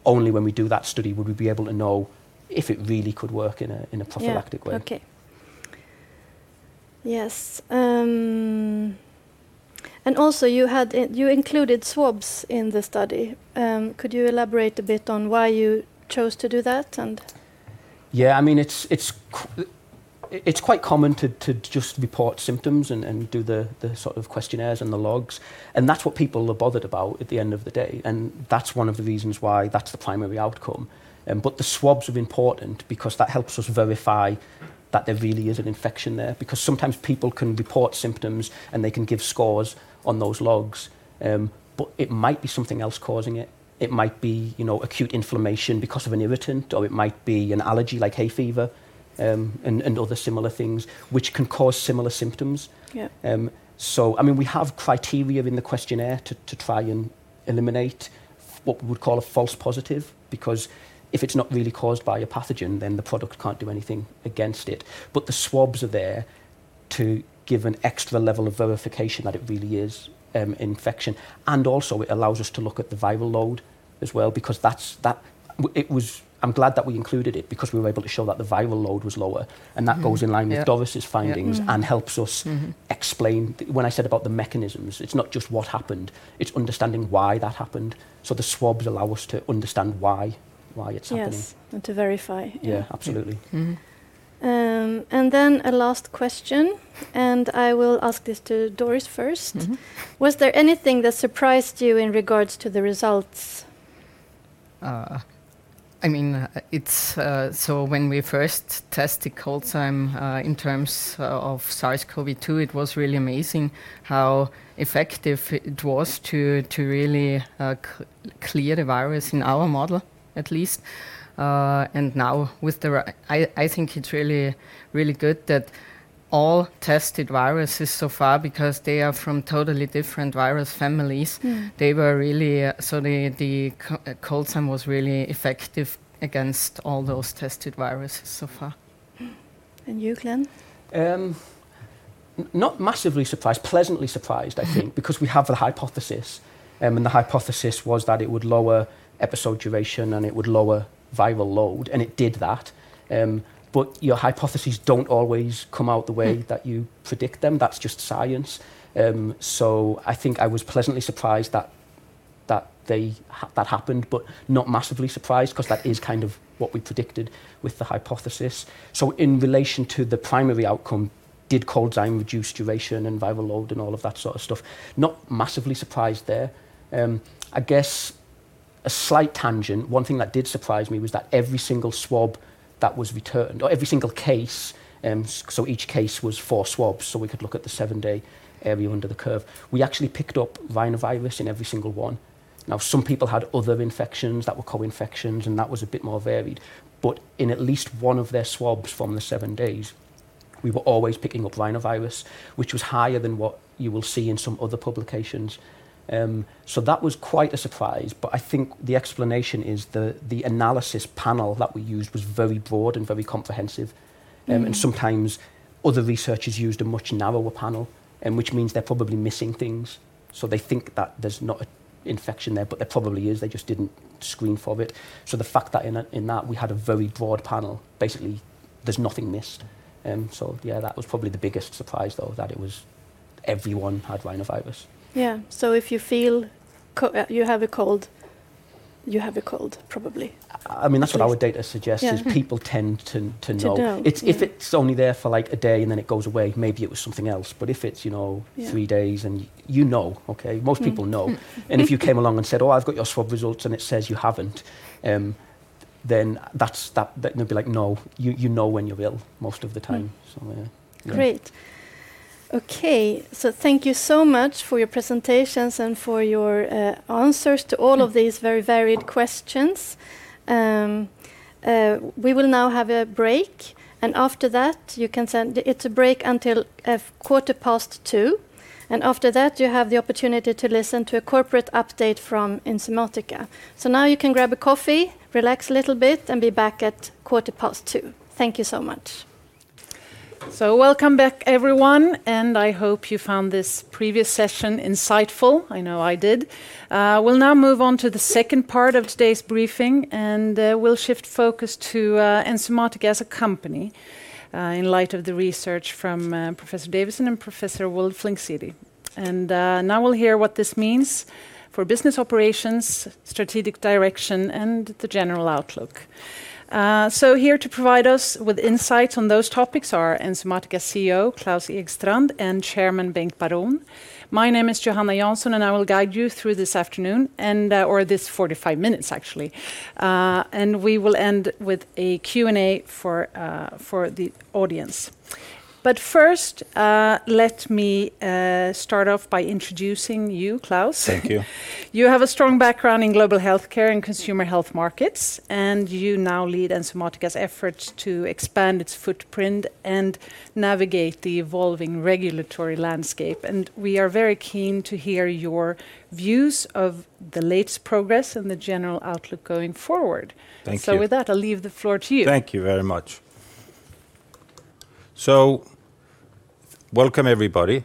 Only when we do that study would we be able to know if it really could work in a prophylactic way. Okay. Yes. You included swabs in the study. Could you elaborate a bit on why you chose to do that? Yeah. I mean, it's quite common to just report symptoms and do the sort of questionnaires and the logs. That's what people are bothered about at the end of the day. That's one of the reasons why that's the primary outcome. The swabs are important because that helps us verify that there really is an infection there because sometimes people can report symptoms and they can give scores on those logs. It might be something else causing it. It might be acute inflammation because of an irritant or it might be an allergy like hay fever and other similar things, which can cause similar symptoms. I mean, we have criteria in the questionnaire to try and eliminate what we would call a false positive because if it's not really caused by a pathogen, then the product can't do anything against it. The swabs are there to give an extra level of verification that it really is infection. It also allows us to look at the viral load as well because it was, I'm glad that we included it because we were able to show that the viral load was lower. That goes in line with Doris's findings and helps us explain when I said about the mechanisms, it's not just what happened. It's understanding why that happened. The swabs allow us to understand why it's happening. Yes. To verify. Yeah, absolutely. A last question. I will ask this to Doris first. Was there anything that surprised you in regards to the results? I mean, when we first tested ColdZyme in terms of SARS-CoV-2, it was really amazing how effective it was to really clear the virus in our model at least. I think it's really, really good that all tested viruses so far, because they are from totally different virus families, they were really, so the ColdZyme was really effective against all those tested viruses so far. You, Glen? Not massively surprised, pleasantly surprised, I think, because we have the hypothesis. And the hypothesis was that it would lower episode duration and it would lower viral load. And it did that. But your hypotheses don't always come out the way that you predict them. That's just science. I think I was pleasantly surprised that that happened, but not massively surprised because that is kind of what we predicted with the hypothesis. In relation to the primary outcome, did ColdZyme reduce duration and viral load and all of that sort of stuff? Not massively surprised there. I guess a slight tangent, one thing that did surprise me was that every single swab that was returned, or every single case, so each case was four swabs, so we could look at the seven-day area under the curve, we actually picked up rhinovirus in every single one. Now, some people had other infections that were co-infections, and that was a bit more varied. In at least one of their swabs from the seven days, we were always picking up rhinovirus, which was higher than what you will see in some other publications. That was quite a surprise. I think the explanation is the analysis panel that we used was very broad and very comprehensive. Sometimes other researchers used a much narrower panel, which means they're probably missing things. They think that there's not an infection there, but there probably is. They just didn't screen for it. The fact that we had a very broad panel, basically there's nothing missed. That was probably the biggest surprise though, that it was everyone had rhinovirus. Yeah. If you feel you have a cold, you have a cold probably. I mean, that's what our data suggests is people tend to know. If it's only there for like a day and then it goes away, maybe it was something else. If it's three days and you know, okay, most people know. If you came along and said, "Oh, I've got your swab results and it says you haven't," then they'll be like, "No, you know when you're ill most of the time." So yeah. Great. Okay. Thank you so much for your presentations and for your answers to all of these very varied questions. We will now have a break. It is a break until a quarter past two. After that, you have the opportunity to listen to a corporate update from Enzymatica. Now you can grab a coffee, relax a little bit, and be back at quarter past two. Thank you so much. Welcome back, everyone. I hope you found this previous session insightful. I know I did. We will now move on to the second part of today's briefing, and we will shift focus to Enzymatica as a company in light of the research from Professor Davison and Professor Wilflingseder. Now we will hear what this means for business operations, strategic direction, and the general outlook. Here to provide us with insights on those topics are Enzymatica CEO, Claus Egstrand, and Chairman Bengt Baron. My name is Johanna Jansson, and I will guide you through this afternoon and/or this 45 minutes, actually. We will end with a Q&A for the audience. First, let me start off by introducing you, Klaus. Thank you. You have a strong background in global healthcare and consumer health markets, and you now lead Enzymatica's efforts to expand its footprint and navigate the evolving regulatory landscape. We are very keen to hear your views of the latest progress and the general outlook going forward. Thank you. With that, I'll leave the floor to you. Thank you very much. Welcome, everybody.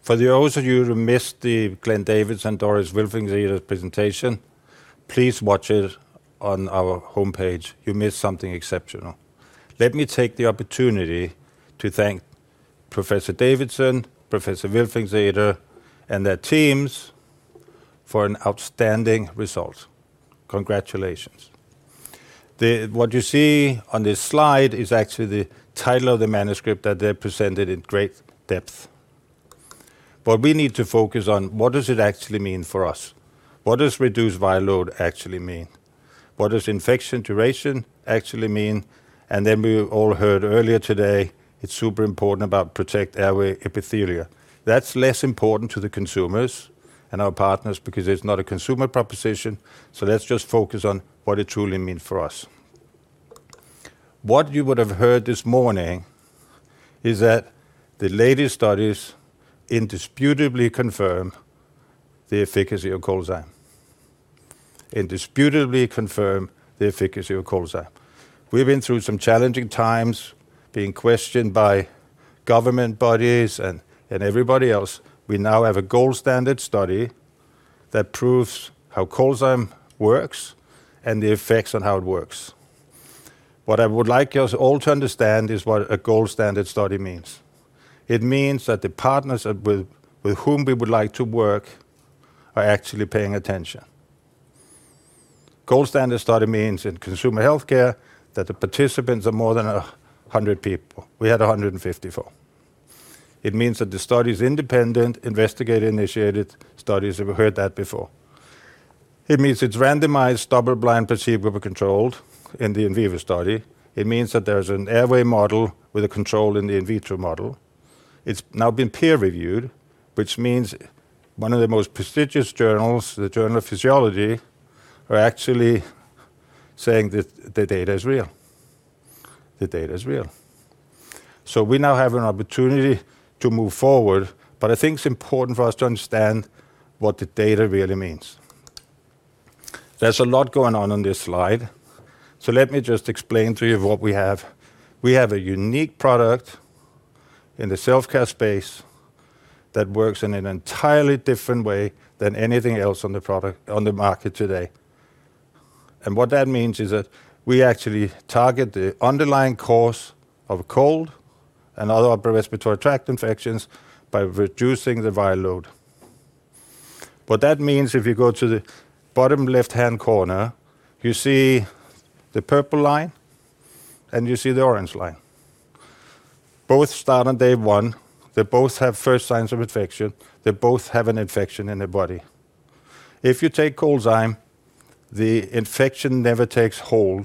For those of you who missed the Glen Davison and Doris Wilflingseder presentation, please watch it on our homepage. You missed something exceptional. Let me take the opportunity to thank Professor Davison, Professor Wilflingseder and their teams for an outstanding result. Congratulations. What you see on this slide is actually the title of the manuscript that they presented in great depth. We need to focus on what does it actually mean for us? What does reduced viral load actually mean? What does infection duration actually mean? We all heard earlier today, it's super important about protect airway epithelia. That's less important to the consumers and our partners because it's not a consumer proposition. Let's just focus on what it truly means for us. What you would have heard this morning is that the latest studies indisputably confirm the efficacy of ColdZyme. Indisputably confirm the efficacy of ColdZyme. We've been through some challenging times, being questioned by government bodies and everybody else. We now have a gold standard study that proves how ColdZyme works and the effects on how it works. What I would like us all to understand is what a gold standard study means. It means that the partners with whom we would like to work are actually paying attention. Gold standard study means in consumer healthcare that the participants are more than 100 people. We had 154. It means that the study is independent, investigator-initiated studies. We've heard that before. It means it's randomized, double-blind, placebo-controlled in the in vivo study. It means that there's an airway model with a control in the in vivo model. It's now been peer-reviewed, which means one of the most prestigious journals, the Journal of Physiology, are actually saying that the data is real. The data is real. We now have an opportunity to move forward, but I think it's important for us to understand what the data really means. There's a lot going on on this slide. Let me just explain to you what we have. We have a unique product in the self-care space that works in an entirely different way than anything else on the product on the market today. What that means is that we actually target the underlying cause of cold and other upper respiratory tract infections by reducing the viral load. What that means, if you go to the bottom left-hand corner, you see the purple line and you see the orange line. Both start on day one. They both have first signs of infection. They both have an infection in the body. If you take ColdZyme, the infection never takes hold,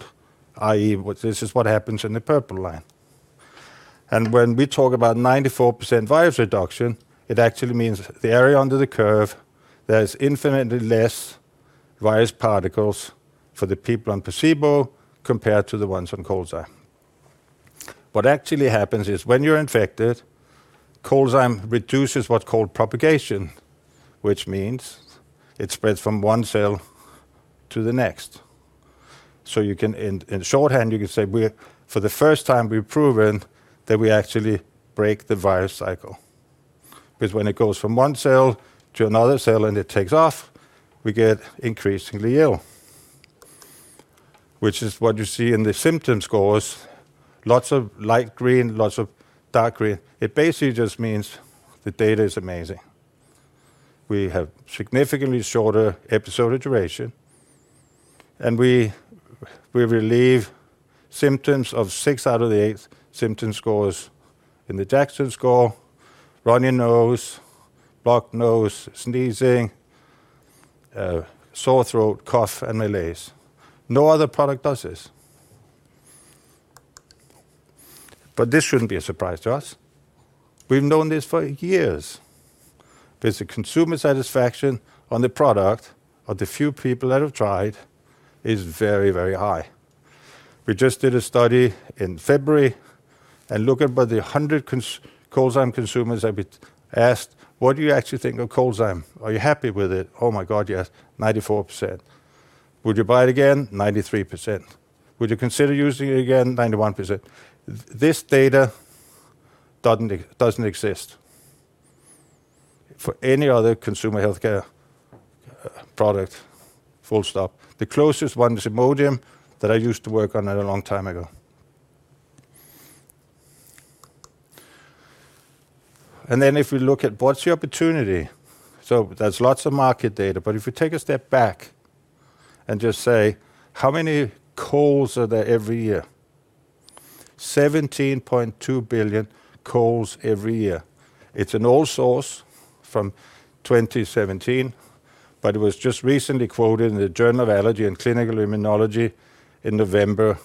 i.e., this is what happens in the purple line. When we talk about 94% virus reduction, it actually means the area under the curve, there's infinitely less virus particles for the people on placebo compared to the ones on ColdZyme. What actually happens is when you're infected, ColdZyme reduces what's called propagation, which means it spreads from one cell to the next. You can, in shorthand, you can say for the first time, we've proven that we actually break the virus cycle. Because when it goes from one cell to another cell and it takes off, we get increasingly ill, which is what you see in the symptom scores, lots of light green, lots of dark green. It basically just means the data is amazing. We have significantly shorter episode duration, and we relieve symptoms of six out of the eight symptom scores in the Jackson score, runny nose, blocked nose, sneezing, sore throat, cough, and malaise. No other product does this. This shouldn't be a surprise to us. We've known this for years. Because the consumer satisfaction on the product of the few people that have tried is very, very high. We just did a study in February and looked at about the 100 ColdZyme consumers that we asked, what do you actually think of ColdZyme? Are you happy with it? Oh my God, yes, 94%. Would you buy it again? 93%. Would you consider using it again? 91%. This data doesn't exist for any other consumer healthcare product. Full stop. The closest one is Imodium that I used to work on a long time ago. If we look at what's the opportunity, there is lots of market data, but if you take a step back and just say, how many colds are there every year? 17.2 billion colds every year. It's an old source from 2017, but it was just recently quoted in the Journal of Allergy and Clinical Immunology in November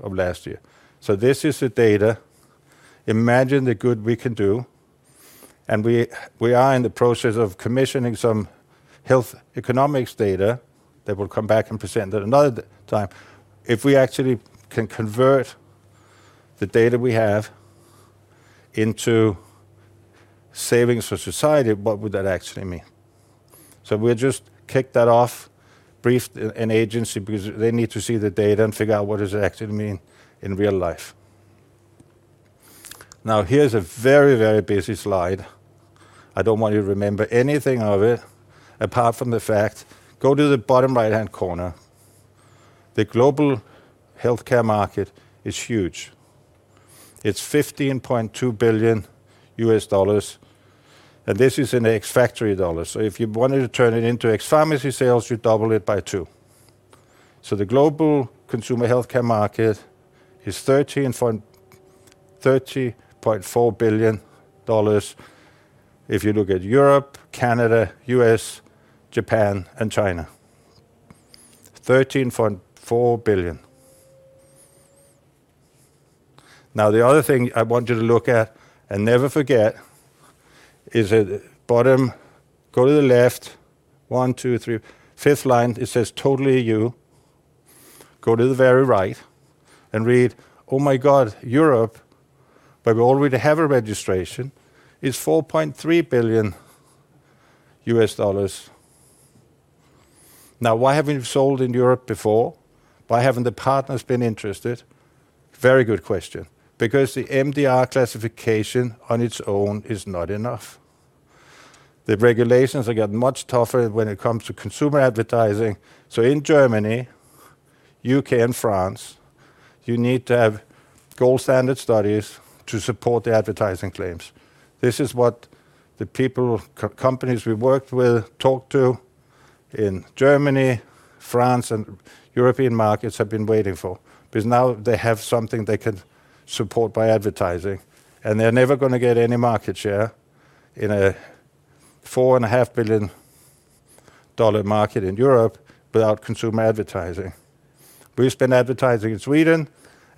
of last year. This is the data. Imagine the good we can do. We are in the process of commissioning some health economics data that will come back and present at another time. If we actually can convert the data we have into savings for society, what would that actually mean? We'll just kick that off briefly in agency because they need to see the data and figure out what does it actually mean in real life. Now, here's a very, very busy slide. I don't want you to remember anything of it apart from the fact, go to the bottom right-hand corner. The global healthcare market is huge. It's $15.2 billion. And this is in the ex factory dollars. If you wanted to turn it into ex pharmacy sales, you double it by two. The global consumer healthcare market is $13.4 billion if you look at Europe, Canada, U.S., Japan, and China. $13.4 billion. Now, the other thing I want you to look at and never forget is at the bottom, go to the left, one, two, three, fifth line, it says totally you. Go to the very right and read, oh my God, Europe, but we already have a registration, is $4.3 billion. Now, why haven't we sold in Europe before? Why haven't the partners been interested? Very good question. Because the MDR classification on its own is not enough. The regulations have gotten much tougher when it comes to consumer advertising. In Germany, U.K., and France, you need to have gold standard studies to support the advertising claims. This is what the people, companies we worked with, talked to in Germany, France, and European markets have been waiting for. Now they have something they can support by advertising. They're never going to get any market share in a $4.5 billion market in Europe without consumer advertising. We've been advertising in Sweden,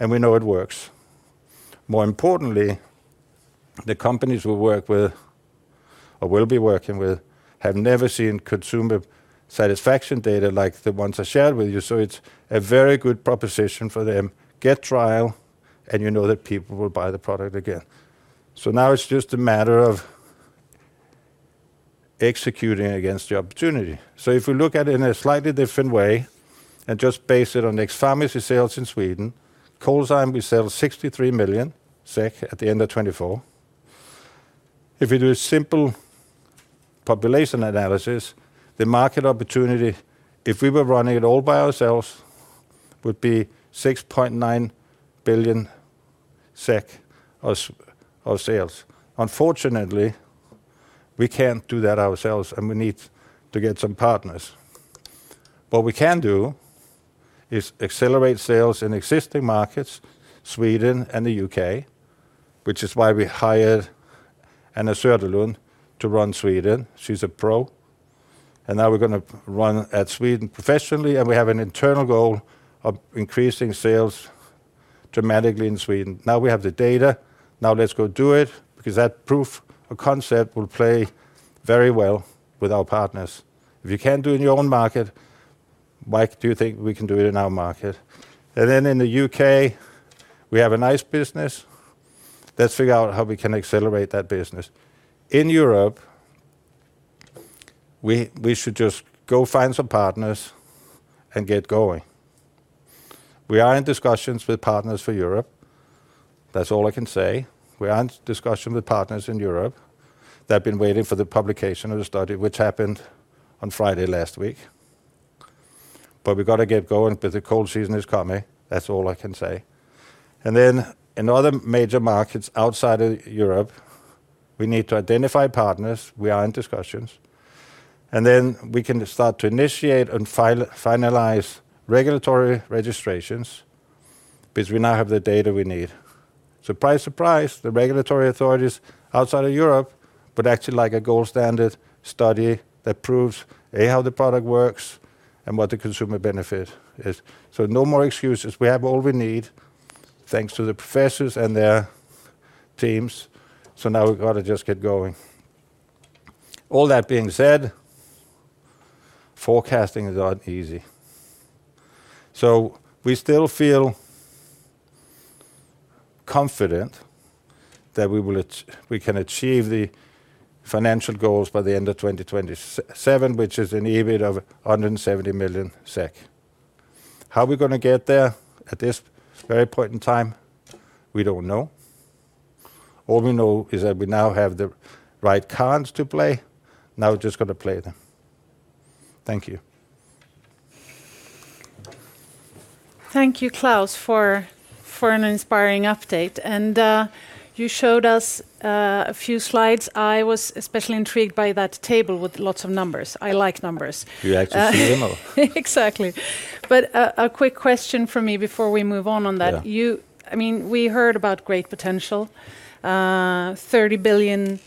and we know it works. More importantly, the companies we work with or will be working with have never seen consumer satisfaction data like the ones I shared with you. It is a very good proposition for them. Get trial, and you know that people will buy the product again. Now it is just a matter of executing against the opportunity. If we look at it in a slightly different way and just base it on X pharmacy sales in Sweden, ColdZyme, we sell 63 million SEK at the end of 2024. If we do a simple population analysis, the market opportunity, if we were running it all by ourselves, would be 6.9 billion SEK of sales. Unfortunately, we cannot do that ourselves, and we need to get some partners. What we can do is accelerate sales in existing markets, Sweden and the U.K., which is why we hired Anna Söderlund to run Sweden. She's a pro. Now we're going to run at Sweden professionally, and we have an internal goal of increasing sales dramatically in Sweden. Now we have the data. Now let's go do it because that proof of concept will play very well with our partners. If you can't do it in your own market, why do you think we can do it in our market? In the U.K., we have a nice business. Let's figure out how we can accelerate that business. In Europe, we should just go find some partners and get going. We are in discussions with partners for Europe. That's all I can say. We are in discussion with partners in Europe. They've been waiting for the publication of the study, which happened on Friday last week. We have got to get going because the cold season is coming. That's all I can say. In other major markets outside of Europe, we need to identify partners. We are in discussions. We can start to initiate and finalize regulatory registrations because we now have the data we need. Surprise, surprise, the regulatory authorities outside of Europe would actually like a gold standard study that proves how the product works and what the consumer benefit is. No more excuses. We have all we need, thanks to the professors and their teams. Now we have got to just get going. All that being said, forecasting is not easy. We still feel confident that we can achieve the financial goals by the end of 2027, which is an EBIT of 170 million SEK. How are we going to get there at this very point in time? We do not know. All we know is that we now have the right cards to play. Now we are just going to play them. Thank you. Thank you, Klaus, for an inspiring update. You showed us a few slides. I was especially intrigued by that table with lots of numbers. I like numbers. You actually see them? Exactly. A quick question for me before we move on on that. I mean, we heard about great potential, $30 billion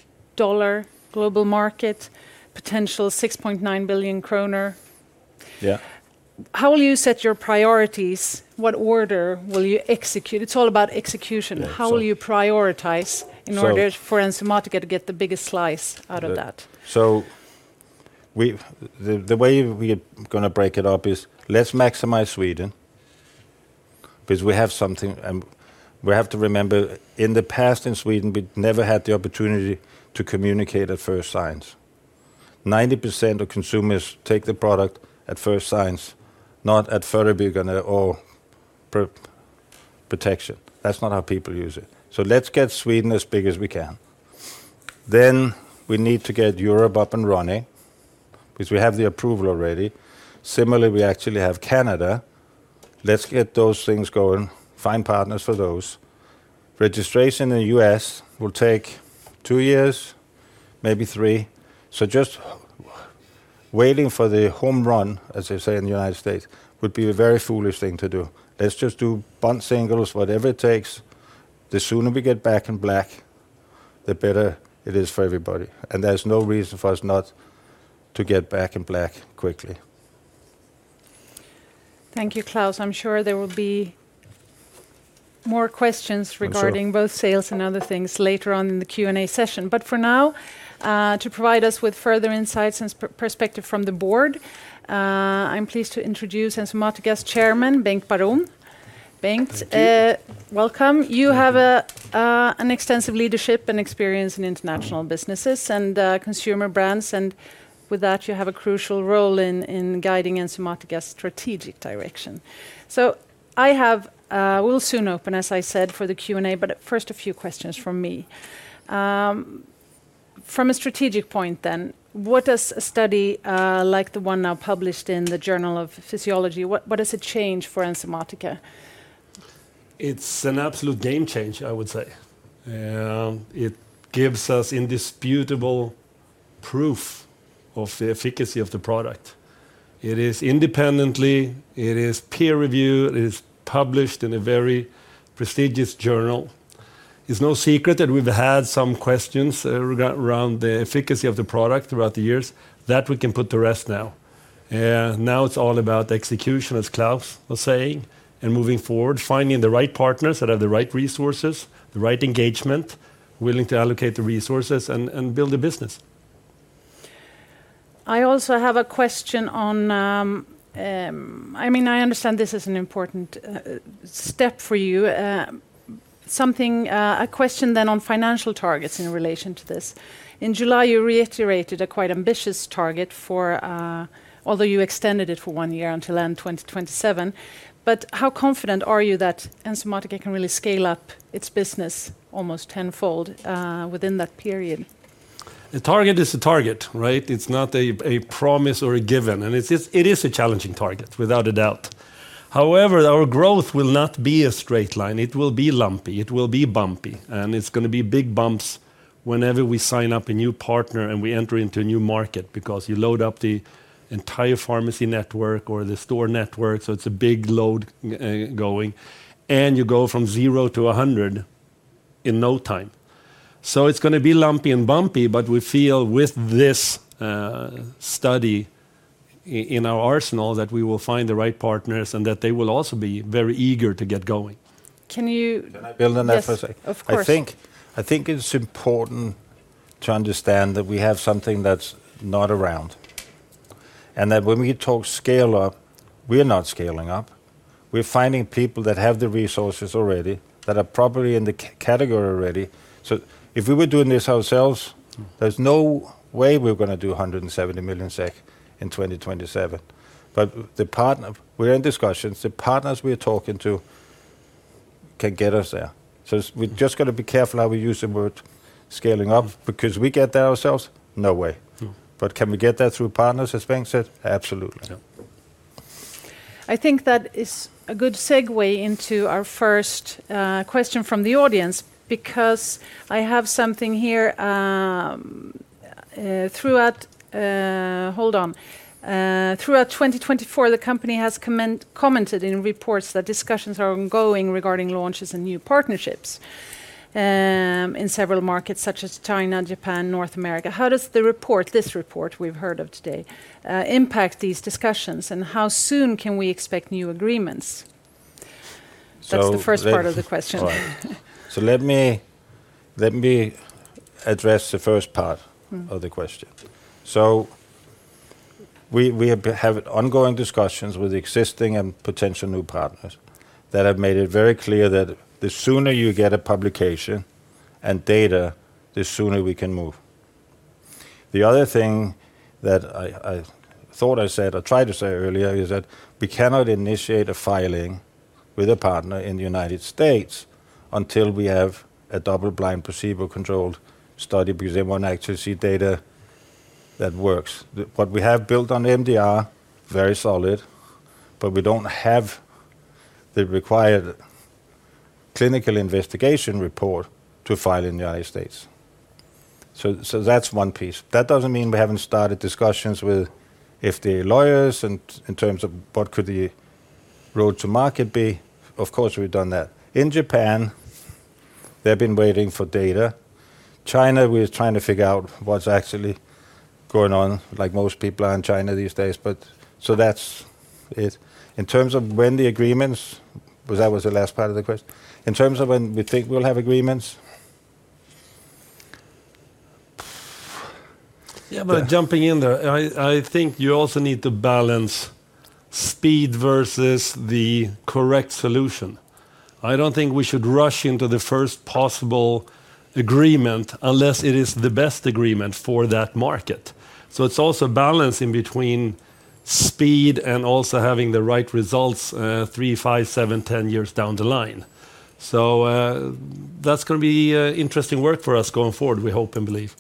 global market, potential 6.9 billion kronor. How will you set your priorities? What order will you execute? It is all about execution. How will you prioritize in order for Enzymatica to get the biggest slice out of that? The way we're going to break it up is let's maximize Sweden because we have something. We have to remember in the past in Sweden, we never had the opportunity to communicate at first signs. 90% of consumers take the product at first signs, not at further beyond protection. That's not how people use it. Let's get Sweden as big as we can. We need to get Europe up and running because we have the approval already. Similarly, we actually have Canada. Let's get those things going, find partners for those. Registration in the U.S. will take two years, maybe three. Just waiting for the home run, as they say in the United States, would be a very foolish thing to do. Let's just do bunt singles, whatever it takes. The sooner we get back in black, the better it is for everybody. There is no reason for us not to get back in black quickly. Thank you, Klaus. I'm sure there will be more questions regarding both sales and other things later on in the Q&A session. For now, to provide us with further insights and perspective from the board, I'm pleased to introduce Enzymatica's chairman, Bengt Baron. Bengt, welcome. You have an extensive leadership and experience in international businesses and consumer brands. With that, you have a crucial role in guiding Enzymatica's strategic direction. We will soon open, as I said, for the Q&A, but first a few questions from me. From a strategic point then, what does a study like the one now published in the Journal of Physiology, what does it change for Enzymatica? It's an absolute game changer, I would say. It gives us indisputable proof of the efficacy of the product. It is independent, it is peer reviewed, it is published in a very prestigious journal. It's no secret that we've had some questions around the efficacy of the product throughout the years that we can put to rest now. Now it's all about execution, as Klaus was saying, and moving forward, finding the right partners that have the right resources, the right engagement, willing to allocate the resources and build the business. I also have a question on, I mean, I understand this is an important step for you. A question then on financial targets in relation to this. In July, you reiterated a quite ambitious target, although you extended it for one year until end 2027. How confident are you that Enzymatica can really scale up its business almost tenfold within that period? The target is the target, right? It's not a promise or a given. It is a challenging target, without a doubt. However, our growth will not be a straight line. It will be lumpy. It will be bumpy. It's going to be big bumps whenever we sign up a new partner and we enter into a new market because you load up the entire pharmacy network or the store network. It's a big load going. You go from zero to 100 in no time. It's going to be lumpy and bumpy, but we feel with this study in our arsenal that we will find the right partners and that they will also be very eager to get going. Can you build on that for a second? Of course. I think it's important to understand that we have something that's not around. When we talk scale up, we're not scaling up. We're finding people that have the resources already, that are probably in the category already. If we were doing this ourselves, there's no way we're going to do 170 million SEK in 2027. We are in discussions. The partners we're talking to can get us there. We just have to be careful how we use the word scaling up because if we did that ourselves, no way. Can we get that through partners, as Bengt said? Absolutely. I think that is a good segue into our first question from the audience because I have something here. Hold on. Throughout 2024, the company has commented in reports that discussions are ongoing regarding launches and new partnerships in several markets such as China, Japan, North America. How does this report we've heard of today impact these discussions? How soon can we expect new agreements? That is the first part of the question. Let me address the first part of the question. We have ongoing discussions with existing and potential new partners that have made it very clear that the sooner you get a publication and data, the sooner we can move. The other thing that I thought I said, I tried to say earlier, is that we cannot initiate a filing with a partner in the United States until we have a double-blind placebo-controlled study because they want to actually see data that works. What we have built on MDR is very solid, but we do not have the required clinical investigation report to file in the United States. That is one piece. That does not mean we have not started discussions with FDA lawyers in terms of what could the road to market be. Of course, we've done that. In Japan, they've been waiting for data. China, we're trying to figure out what's actually going on, like most people are in China these days. That is it. In terms of when the agreements, that was the last part of the question. In terms of when we think we'll have agreements. Yeah, jumping in there, I think you also need to balance speed versus the correct solution. I don't think we should rush into the first possible agreement unless it is the best agreement for that market. It is also balancing between speed and also having the right results three, five, seven, ten years down the line. That is going to be interesting work for us going forward, we hope and believe.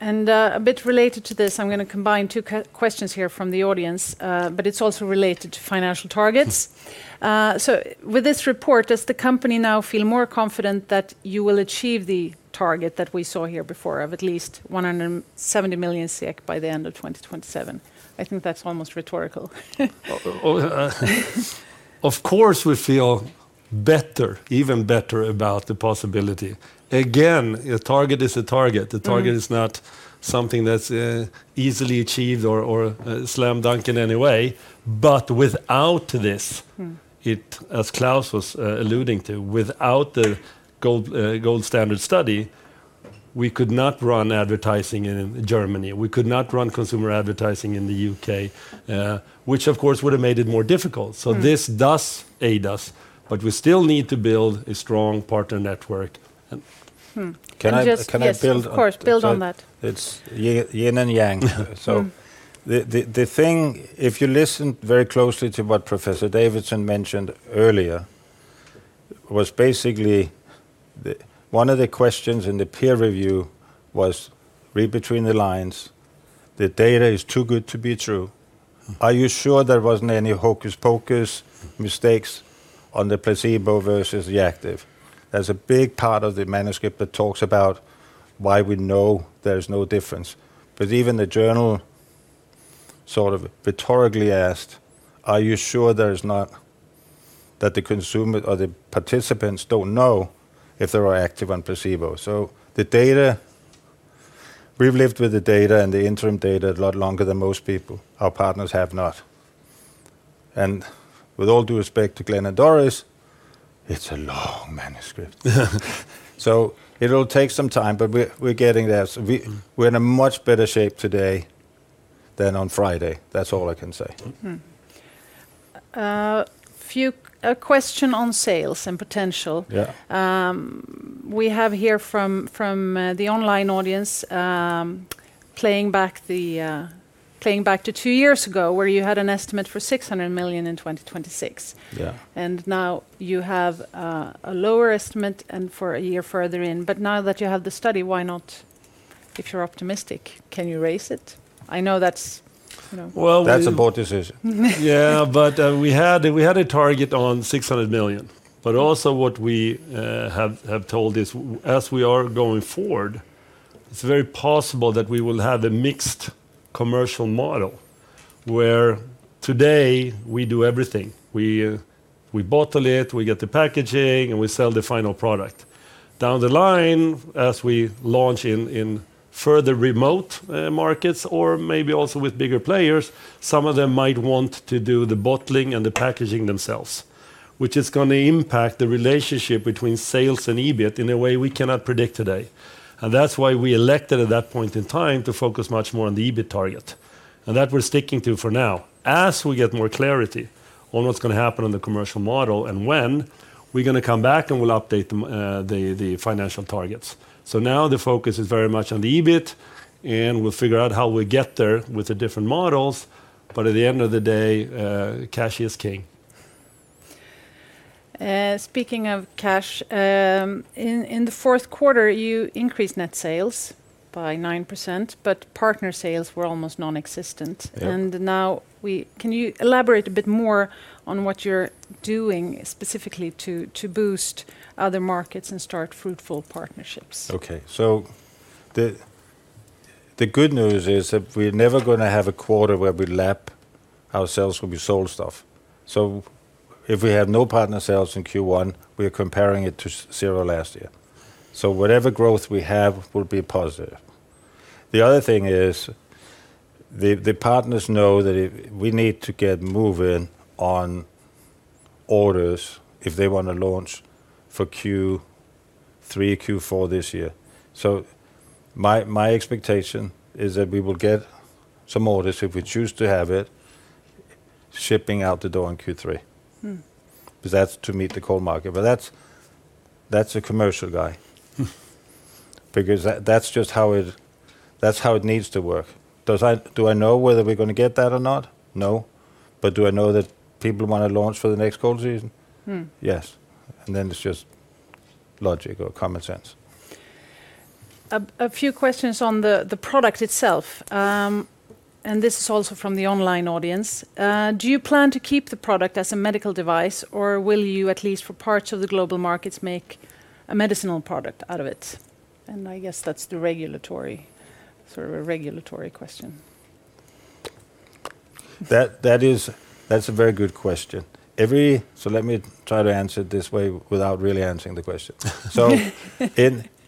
A bit related to this, I'm going to combine two questions here from the audience, but it's also related to financial targets. With this report, does the company now feel more confident that you will achieve the target that we saw here before of at least 170 million by the end of 2027? I think that's almost rhetorical. Of course, we feel better, even better about the possibility. Again, a target is a target. The target is not something that's easily achieved or slam dunk in any way. Without this, as Klaus was alluding to, without the gold standard study, we could not run advertising in Germany. We could not run consumer advertising in the U.K., which of course would have made it more difficult. This does aid us, but we still need to build a strong partner network. Can I build on that? Yin and yang. If you listen very closely to what Professor Davison mentioned earlier, it was basically one of the questions in the peer review was read between the lines. The data is too good to be true. Are you sure there was not any hocus pocus mistakes on the placebo versus the active? That is a big part of the manuscript that talks about why we know there is no difference. Even the journal sort of rhetorically asked, are you sure that the consumer or the participants do not know if there are active and placebo? We have lived with the data and the interim data a lot longer than most people. Our partners have not. With all due respect to Glen and Doris, it is a long manuscript. It will take some time, but we are getting there. We are in a much better shape today than on Friday. That's all I can say. A question on sales and potential. We have here from the online audience playing back to two years ago where you had an estimate for 600 million in 2026. Now you have a lower estimate and for a year further in. Now that you have the study, why not, if you're optimistic, can you raise it? I know that's. That's a board decision. Yeah, but we had a target on 600 million. Also what we have told is, as we are going forward, it's very possible that we will have a mixed commercial model where today we do everything. We bottle it, we get the packaging, and we sell the final product. Down the line, as we launch in further remote markets or maybe also with bigger players, some of them might want to do the bottling and the packaging themselves, which is going to impact the relationship between sales and EBIT in a way we cannot predict today. That is why we elected at that point in time to focus much more on the EBIT target. That we are sticking to for now. As we get more clarity on what is going to happen on the commercial model and when, we are going to come back and we will update the financial targets. Now the focus is very much on the EBIT, and we will figure out how we get there with the different models. At the end of the day, cash is king. Speaking of cash, in the fourth quarter, you increased net sales by 9%, but partner sales were almost nonexistent. Can you elaborate a bit more on what you're doing specifically to boost other markets and start fruitful partnerships? The good news is that we're never going to have a quarter where we lap ourselves when we sold stuff. If we have no partner sales in Q1, we're comparing it to zero last year. Whatever growth we have will be positive. The other thing is the partners know that we need to get moving on orders if they want to launch for Q3, Q4 this year. My expectation is that we will get some orders if we choose to have it shipping out the door in Q3. That's to meet the core market. That's a commercial guy because that's just how it needs to work. Do I know whether we're going to get that or not? No. Do I know that people want to launch for the next cold season? Yes. It is just logic or common sense. A few questions on the product itself. This is also from the online audience. Do you plan to keep the product as a medical device, or will you at least for parts of the global markets make a medicinal product out of it? I guess that is sort of a regulatory question. That is a very good question. Let me try to answer it this way without really answering the question.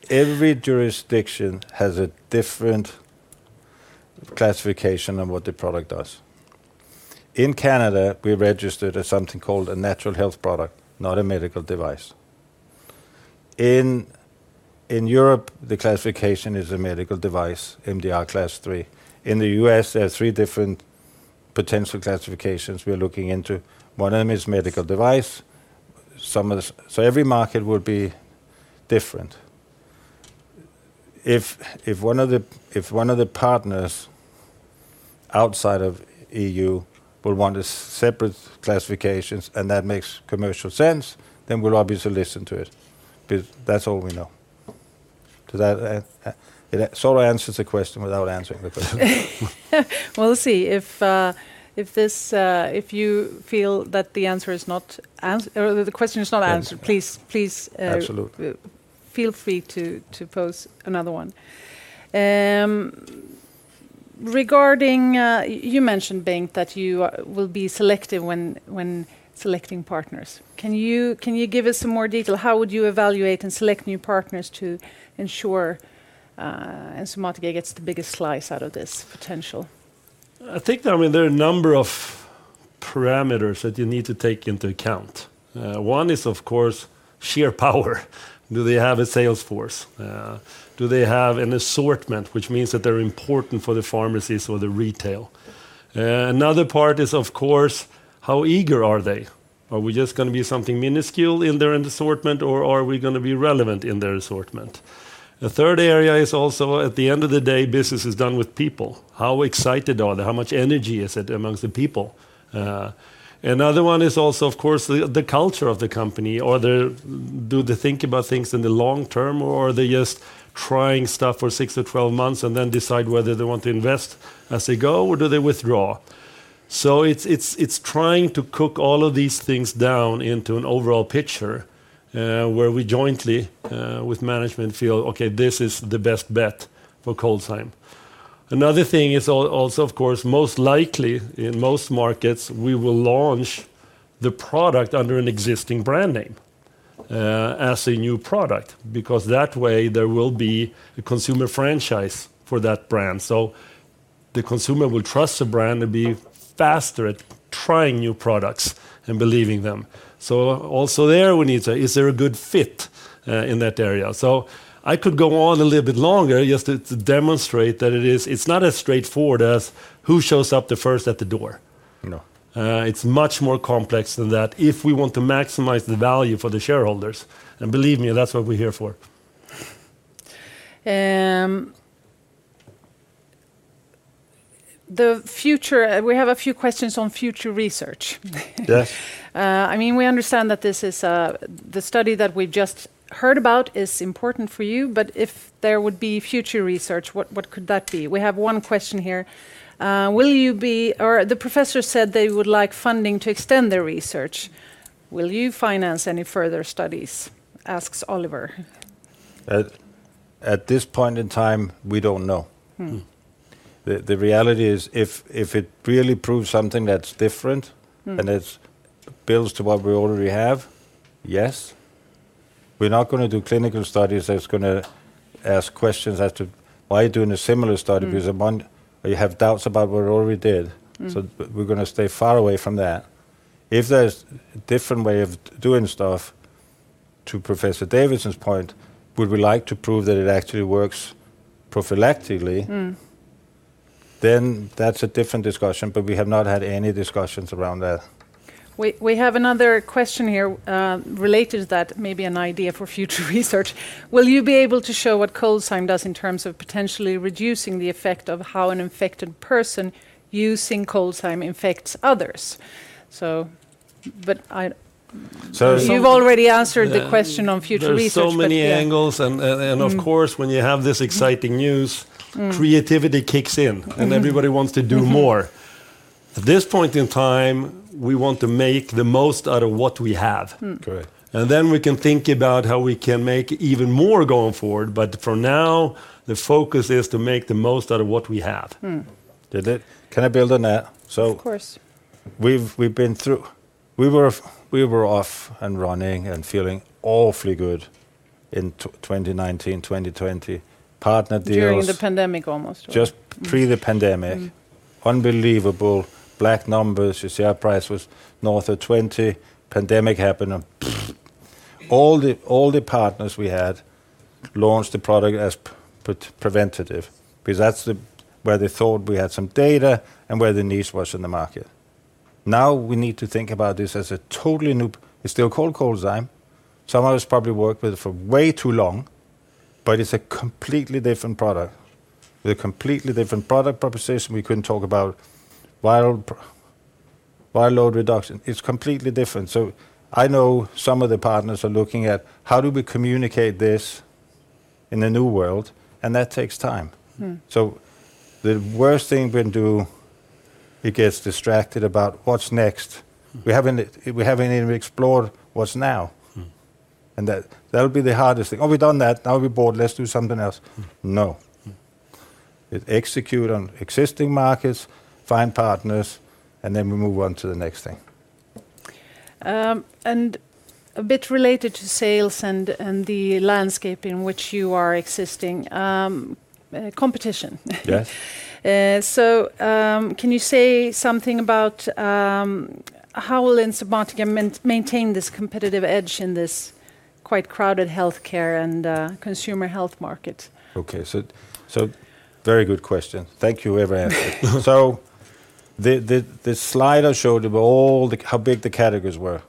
Every jurisdiction has a different classification of what the product does. In Canada, we registered as something called a natural health product, not a medical device. In Europe, the classification is a medical device, MDR class three. In the U.S., there are three different potential classifications we are looking into. One of them is medical device. Every market would be different. If one of the partners outside of the EU will want a separate classification and that makes commercial sense, then we'll obviously listen to it. That's all we know. That sort of answers the question without answering the question. We'll see. If you feel that the answer is not, or the question is not answered, please feel free to pose another one. You mentioned, Bengt, that you will be selective when selecting partners. Can you give us some more detail? How would you evaluate and select new partners to ensure Enzymatica gets the biggest slice out of this potential? I think there are a number of parameters that you need to take into account. One is, of course, sheer power. Do they have a sales force? Do they have an assortment, which means that they're important for the pharmacies or the retail? Another part is, of course, how eager are they? Are we just going to be something minuscule in their assortment, or are we going to be relevant in their assortment? A third area is also, at the end of the day, business is done with people. How excited are they? How much energy is it amongst the people? Another one is also, of course, the culture of the company. Do they think about things in the long term, or are they just trying stuff for six to twelve months and then decide whether they want to invest as they go, or do they withdraw? It is trying to cook all of these things down into an overall picture where we jointly with management feel, okay, this is the best bet for ColdZyme. Another thing is also, of course, most likely in most markets, we will launch the product under an existing brand name as a new product because that way there will be a consumer franchise for that brand. The consumer will trust the brand and be faster at trying new products and believing them. Also there, we need to say, is there a good fit in that area? I could go on a little bit longer just to demonstrate that it's not as straightforward as who shows up the first at the door. It's much more complex than that if we want to maximize the value for the shareholders. Believe me, that's what we're here for. We have a few questions on future research. I mean, we understand that the study that we've just heard about is important for you, but if there would be future research, what could that be? We have one question here. The professor said they would like funding to extend their research. Will you finance any further studies? Asks Oliver. At this point in time, we don't know. The reality is if it really proves something that's different and it builds to what we already have, yes. We're not going to do clinical studies that's going to ask questions as to why are you doing a similar study because you have doubts about what we already did. We are going to stay far away from that. If there's a different way of doing stuff, to Professor Davison's point, would we like to prove that it actually works prophylactically? That is a different discussion, but we have not had any discussions around that. We have another question here related to that, maybe an idea for future research. Will you be able to show what ColdZyme does in terms of potentially reducing the effect of how an infected person using ColdZyme infects others? You have already answered the question on future research. There are so many angles, and of course, when you have this exciting news, creativity kicks in, and everybody wants to do more. At this point in time, we want to make the most out of what we have. We can think about how we can make even more going forward, but for now, the focus is to make the most out of what we have. Can I build on that? Of course. We have been through. We were off and running and feeling awfully good in 2019, 2020, partner deals. During the pandemic almost. Just pre the pandemic. Unbelievable black numbers. Share price was north of 20. Pandemic happened. All the partners we had launched the product as preventative because that's where they thought we had some data and where the niche was in the market. Now we need to think about this as a totally new, it's still called ColdZyme. Some of us probably worked with it for way too long, but it's a completely different product. The completely different product proposition. We couldn't talk about viral load reduction. It's completely different. I know some of the partners are looking at how do we communicate this in a new world, and that takes time. The worst thing we can do, it gets distracted about what's next. We haven't even explored what's now. That'll be the hardest thing. Oh, we've done that. Now we're bored. Let's do something else. No. Execute on existing markets, find partners, and then we move on to the next thing. A bit related to sales and the landscape in which you are existing, competition. Can you say something about how will Enzymatica maintain this competitive edge in this quite crowded healthcare and consumer health market? Very good question. Thank you for every answer. The slide I showed you about how big the categories were,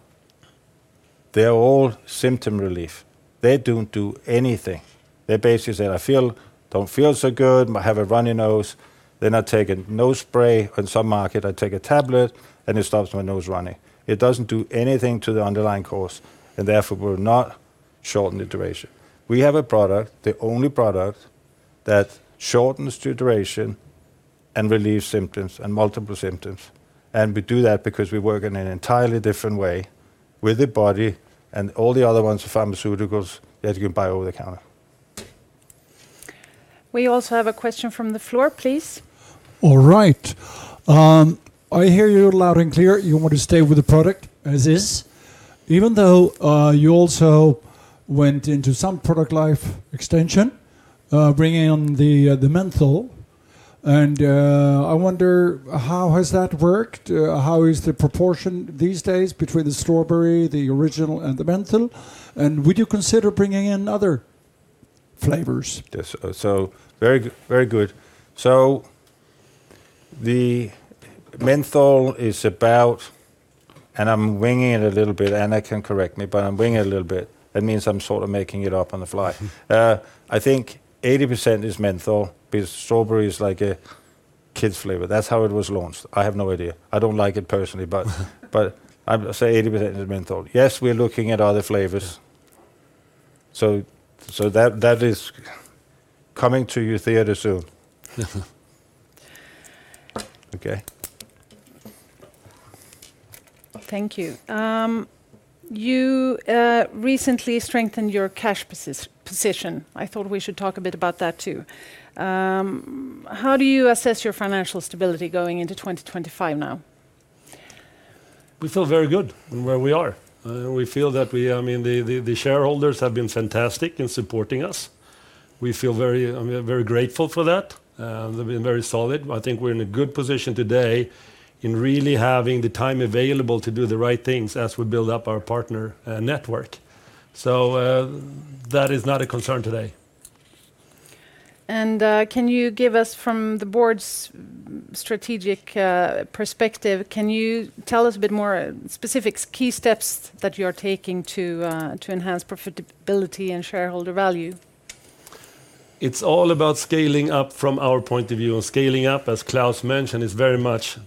they're all symptom relief. They don't do anything. They basically say, "I don't feel so good. I have a runny nose." I take a nose spray on some market. I take a tablet, and it stops my nose running. It doesn't do anything to the underlying cause. Therefore, we're not shortening the duration. We have a product, the only product that shortens the duration and relieves symptoms and multiple symptoms. We do that because we work in an entirely different way with the body and all the other ones, the pharmaceuticals that you can buy over the counter. We also have a question from the floor, please. All right. I hear you loud and clear. You want to stay with the product as is, even though you also went into some product life extension, bringing on the menthol. I wonder how has that worked? How is the proportion these days between the strawberry, the original, and the menthol? Would you consider bringing in other flavors? Yes. Very good. The menthol is about, and I'm winging it a little bit, and you can correct me, but I'm winging it a little bit. That means I'm sort of making it up on the fly. I think 80% is menthol because strawberry is like a kid's flavor. That's how it was launched. I have no idea. I don't like it personally, but I'll say 80% is menthol. Yes, we're looking at other flavors. That is coming to your theater soon. Okay. Thank you. You recently strengthened your cash position. I thought we should talk a bit about that too. How do you assess your financial stability going into 2025 now? We feel very good where we are. We feel that, I mean, the shareholders have been fantastic in supporting us. We feel very grateful for that. They've been very solid. I think we're in a good position today in really having the time available to do the right things as we build up our partner network. That is not a concern today. Can you give us, from the board's strategic perspective, can you tell us a bit more specific key steps that you are taking to enhance profitability and shareholder value? It's all about scaling up from our point of view. Scaling up, as Klaus mentioned, is very much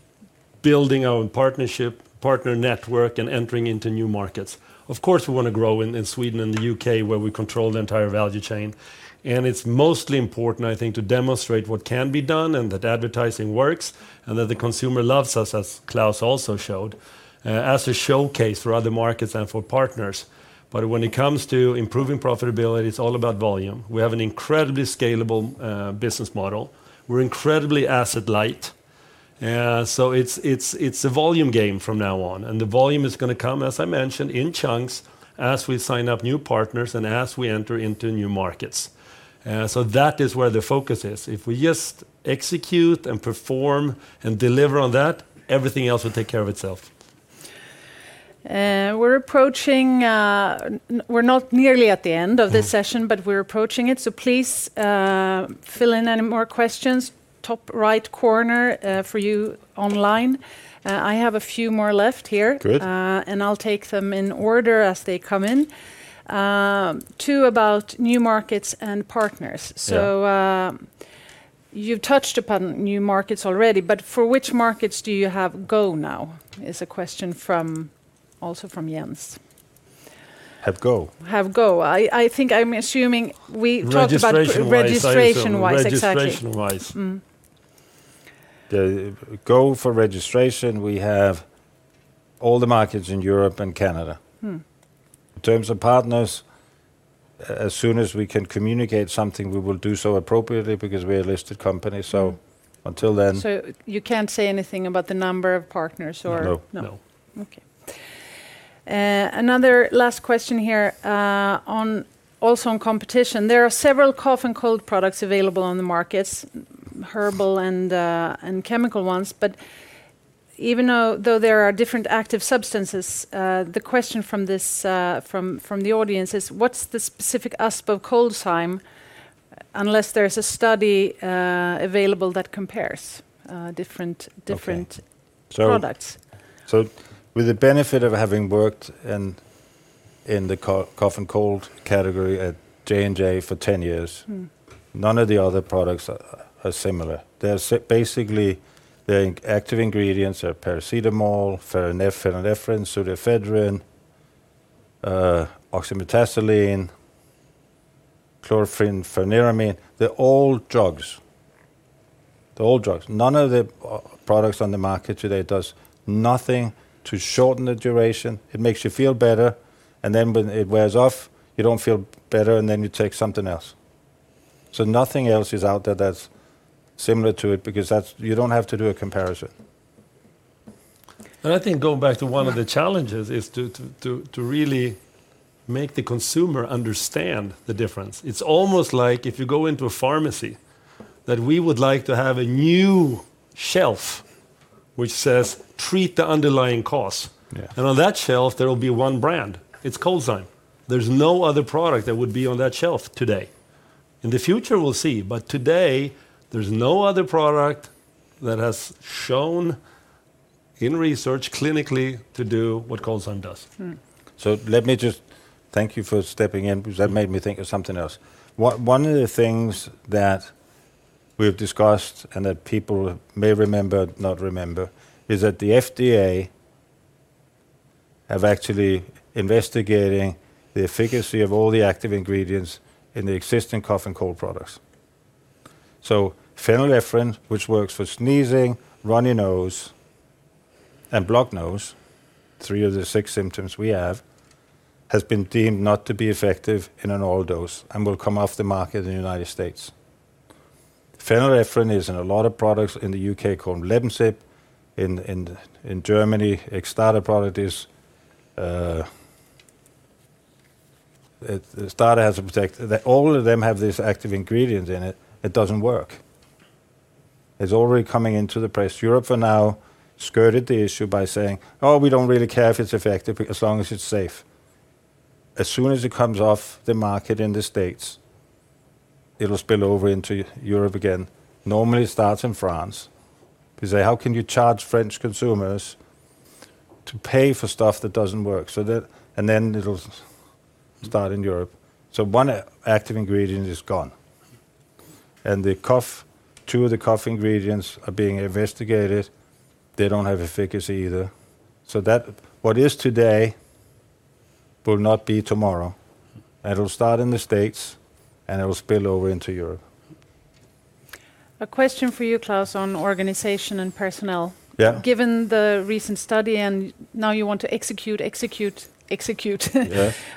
building our partner network and entering into new markets. Of course, we want to grow in Sweden and the U.K., where we control the entire value chain. It's mostly important, I think, to demonstrate what can be done and that advertising works and that the consumer loves us, as Klaus also showed, as a showcase for other markets and for partners. When it comes to improving profitability, it's all about volume. We have an incredibly scalable business model. We're incredibly asset-light. It's a volume game from now on. The volume is going to come, as I mentioned, in chunks as we sign up new partners and as we enter into new markets. That is where the focus is. If we just execute and perform and deliver on that, everything else will take care of itself. We're not nearly at the end of this session, but we're approaching it. Please fill in any more questions. Top right corner for you online. I have a few more left here. I'll take them in order as they come in. Two about new markets and partners. You've touched upon new markets already, but for which markets do you have go now? Is a question also from Jens. Have go. Have go. I think I'm assuming we talked about registration-wise. Registration-wise. Go for registration. We have all the markets in Europe and Canada. In terms of partners, as soon as we can communicate something, we will do so appropriately because we are a listed company. Until then. You can't say anything about the number of partners or? No. No. Okay. Another last question here, also on competition. There are several cough and cold products available on the markets, herbal and chemical ones. Even though there are different active substances, the question from the audience is, what's the specific aspect of ColdZyme unless there's a study available that compares different products? With the benefit of having worked in the cough and cold category at J&J for 10 years, none of the other products are similar. Basically, the active ingredients are paracetamol, phenylephrine, pseudoephedrine, oxymetazoline, chlorpheniramine. They're all drugs. None of the products on the market today does anything to shorten the duration. It makes you feel better. When it wears off, you don't feel better, and then you take something else. Nothing else is out there that's similar to it because you don't have to do a comparison. I think going back to one of the challenges is to really make the consumer understand the difference. It's almost like if you go into a pharmacy that we would like to have a new shelf which says, "Treat the underlying cause." On that shelf, there will be one brand. It's ColdZyme. There's no other product that would be on that shelf today. In the future, we'll see. Today, there's no other product that has shown in research clinically to do what ColdZyme does. Let me just thank you for stepping in because that made me think of something else. One of the things that we've discussed and that people may remember, not remember, is that the FDA have actually investigated the efficacy of all the active ingredients in the existing cough and cold products. So phenylephrine, which works for sneezing, runny nose, and block nose, three of the six symptoms we have, has been deemed not to be effective in an all-dose and will come off the market in the United States. Phenylephrine is in a lot of products in the U.K. called Lebensip. In Germany, a starter product is. The starter has a protect. All of them have these active ingredients in it. It doesn't work. It's already coming into the press. Europe for now skirted the issue by saying, "Oh, we don't really care if it's effective as long as it's safe." As soon as it comes off the market in the States, it'll spill over into Europe again. Normally, it starts in France. They say, "How can you charge French consumers to pay for stuff that doesn't work?" It will start in Europe. One active ingredient is gone. Two of the cough ingredients are being investigated. They don't have efficacy either. What is today will not be tomorrow. It will start in the States, and it'll spill over into Europe. A question for you, Klaus, on organization and personnel. Given the recent study and now you want to execute, execute, execute,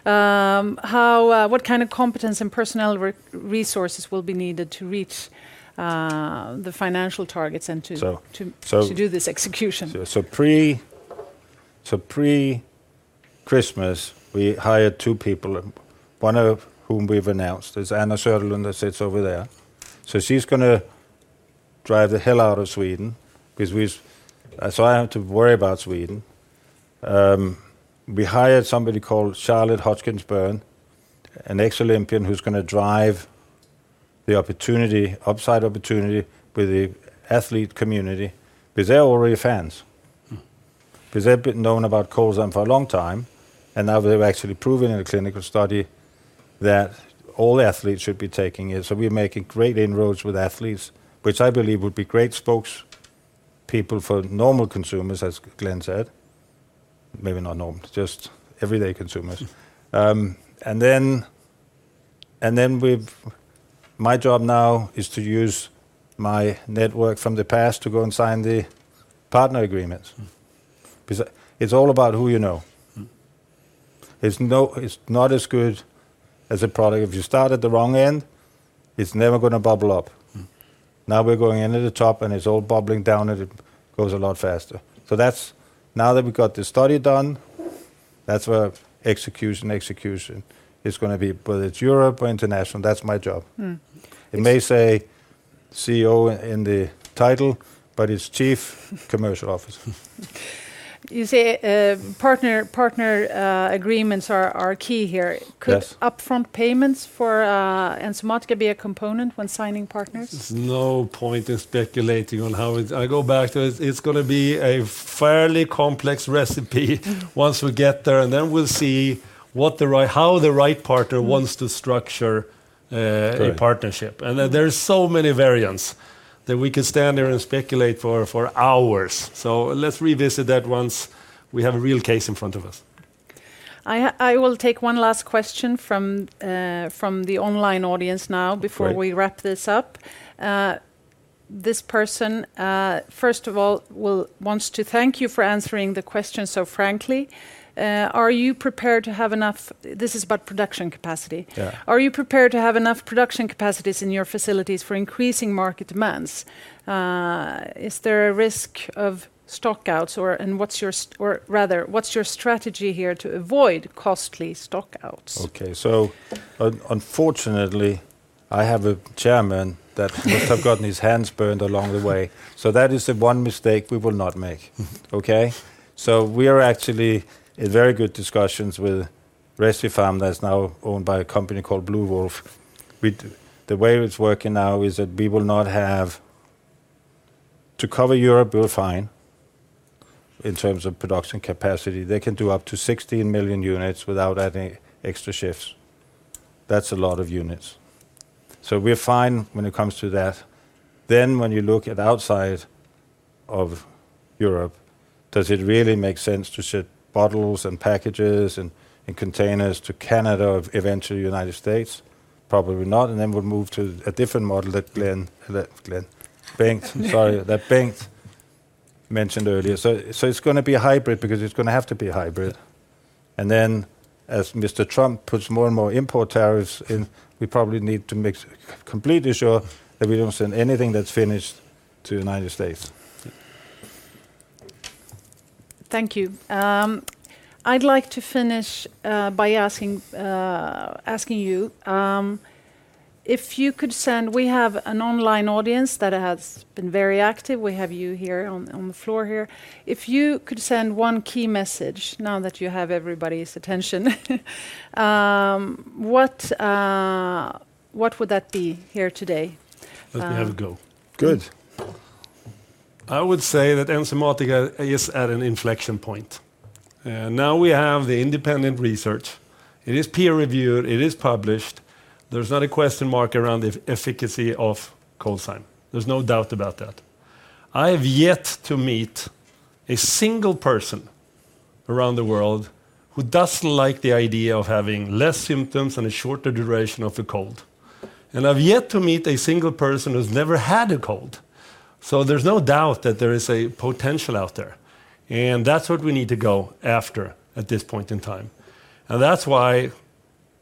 what kind of competence and personnel resources will be needed to reach the financial targets and to do this execution? Pre-Christmas, we hired two people, one of whom we've announced. There's Anna Söderlund that sits over there. She's going to drive the hell out of Sweden. I have to worry about Sweden. We hired somebody called Charlotte Hodgkins-Byrne, an ex-Olympian who's going to drive the upside opportunity with the athlete community because they're already fans. They've been known about ColdZyme for a long time, and now they've actually proven in a clinical study that all athletes should be taking it. We're making great inroads with athletes, which I believe would be great spokespeople for normal consumers, as Glenn said. Maybe not normal, just everyday consumers. My job now is to use my network from the past to go and sign the partner agreements. It's all about who you know. It's not as good as a product. If you start at the wrong end, it's never going to bubble up. Now we're going in at the top, and it's all bubbling down, and it goes a lot faster. Now that we've got the study done, that's where execution and execution is going to be. Whether it's Europe or international, that's my job. It may say CEO in the title, but it's Chief Commercial Officer. You say partner agreements are key here. Could upfront payments for Enzymatica be a component when signing partners? There's no point in speculating on how it's. I go back to it. It's going to be a fairly complex recipe once we get there. Then we'll see how the right partner wants to structure a partnership. There are so many variants that we can stand there and speculate for hours. Let's revisit that once we have a real case in front of us. I will take one last question from the online audience now before we wrap this up. This person, first of all, wants to thank you for answering the question so frankly. Are you prepared to have enough? This is about production capacity. Are you prepared to have enough production capacities in your facilities for increasing market demands? Is there a risk of stockouts? Rather, what's your strategy here to avoid costly stockouts? Okay. Unfortunately, I have a chairman that must have gotten his hands burned along the way. That is the one mistake we will not make. We are actually in very good discussions with Resty Pharm, that's now owned by a company called Blue Wolf. The way it's working now is that we will not have to cover Europe, we're fine in terms of production capacity. They can do up to 16 million units without adding extra shifts. That's a lot of units. We're fine when it comes to that. When you look at outside of Europe, does it really make sense to ship bottles and packages and containers to Canada, eventually the United States? Probably not. We will move to a different model that Bengt mentioned earlier. It's going to be a hybrid because it's going to have to be a hybrid. As Mr. Trump puts more and more import tariffs in, we probably need to make completely sure that we don't send anything that's finished to the United States. Thank you. I'd like to finish by asking you if you could send, we have an online audience that has been very active. We have you here on the floor here. If you could send one key message now that you have everybody's attention, what would that be here today? Let me have a go. Good. I would say that Enzymatica is at an inflection point. Now we have the independent research. It is peer-reviewed. It is published. There's not a question mark around the efficacy of ColdZyme. There's no doubt about that. I have yet to meet a single person around the world who doesn't like the idea of having less symptoms and a shorter duration of the cold. I have yet to meet a single person who's never had a cold. There's no doubt that there is a potential out there. That's what we need to go after at this point in time. That's why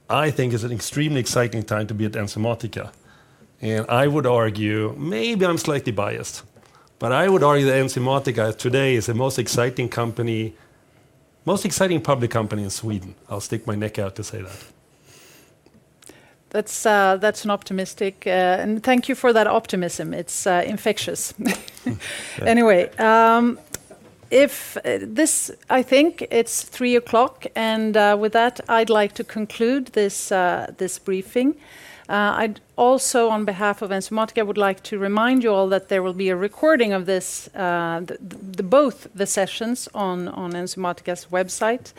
I think it's an extremely exciting time to be at Enzymatica. I would argue, maybe I'm slightly biased, but I would argue that Enzymatica today is the most exciting public company in Sweden. I'll stick my neck out to say that. That's optimistic. Thank you for that optimism. It's infectious. Anyway, I think it's 3:00 P.M. With that, I'd like to conclude this briefing. On behalf of Enzymatica, I would like to remind you all that there will be a recording of both the sessions on Enzymatica's website,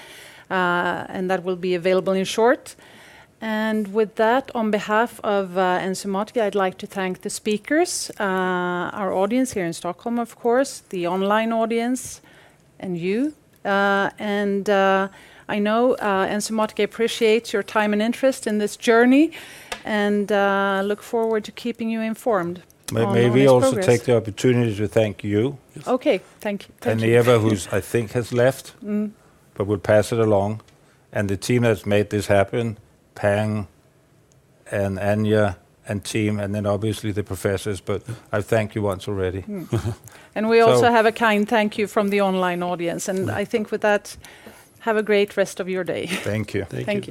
and that will be available shortly. With that, on behalf of Enzymatica, I'd like to thank the speakers, our audience here in Stockholm, of course, the online audience, and you. I know Enzymatica appreciates your time and interest in this journey and look forward to keeping you informed. May we also take the opportunity to thank you. Okay. Thank you. And Eva, who I think has left, but we'll pass it along. And the team that's made this happen, Pang and Anja and team, and then obviously the professors. I thank you once already. We also have a kind thank you from the online audience. I think with that, have a great rest of your day. Thank you. Thank you.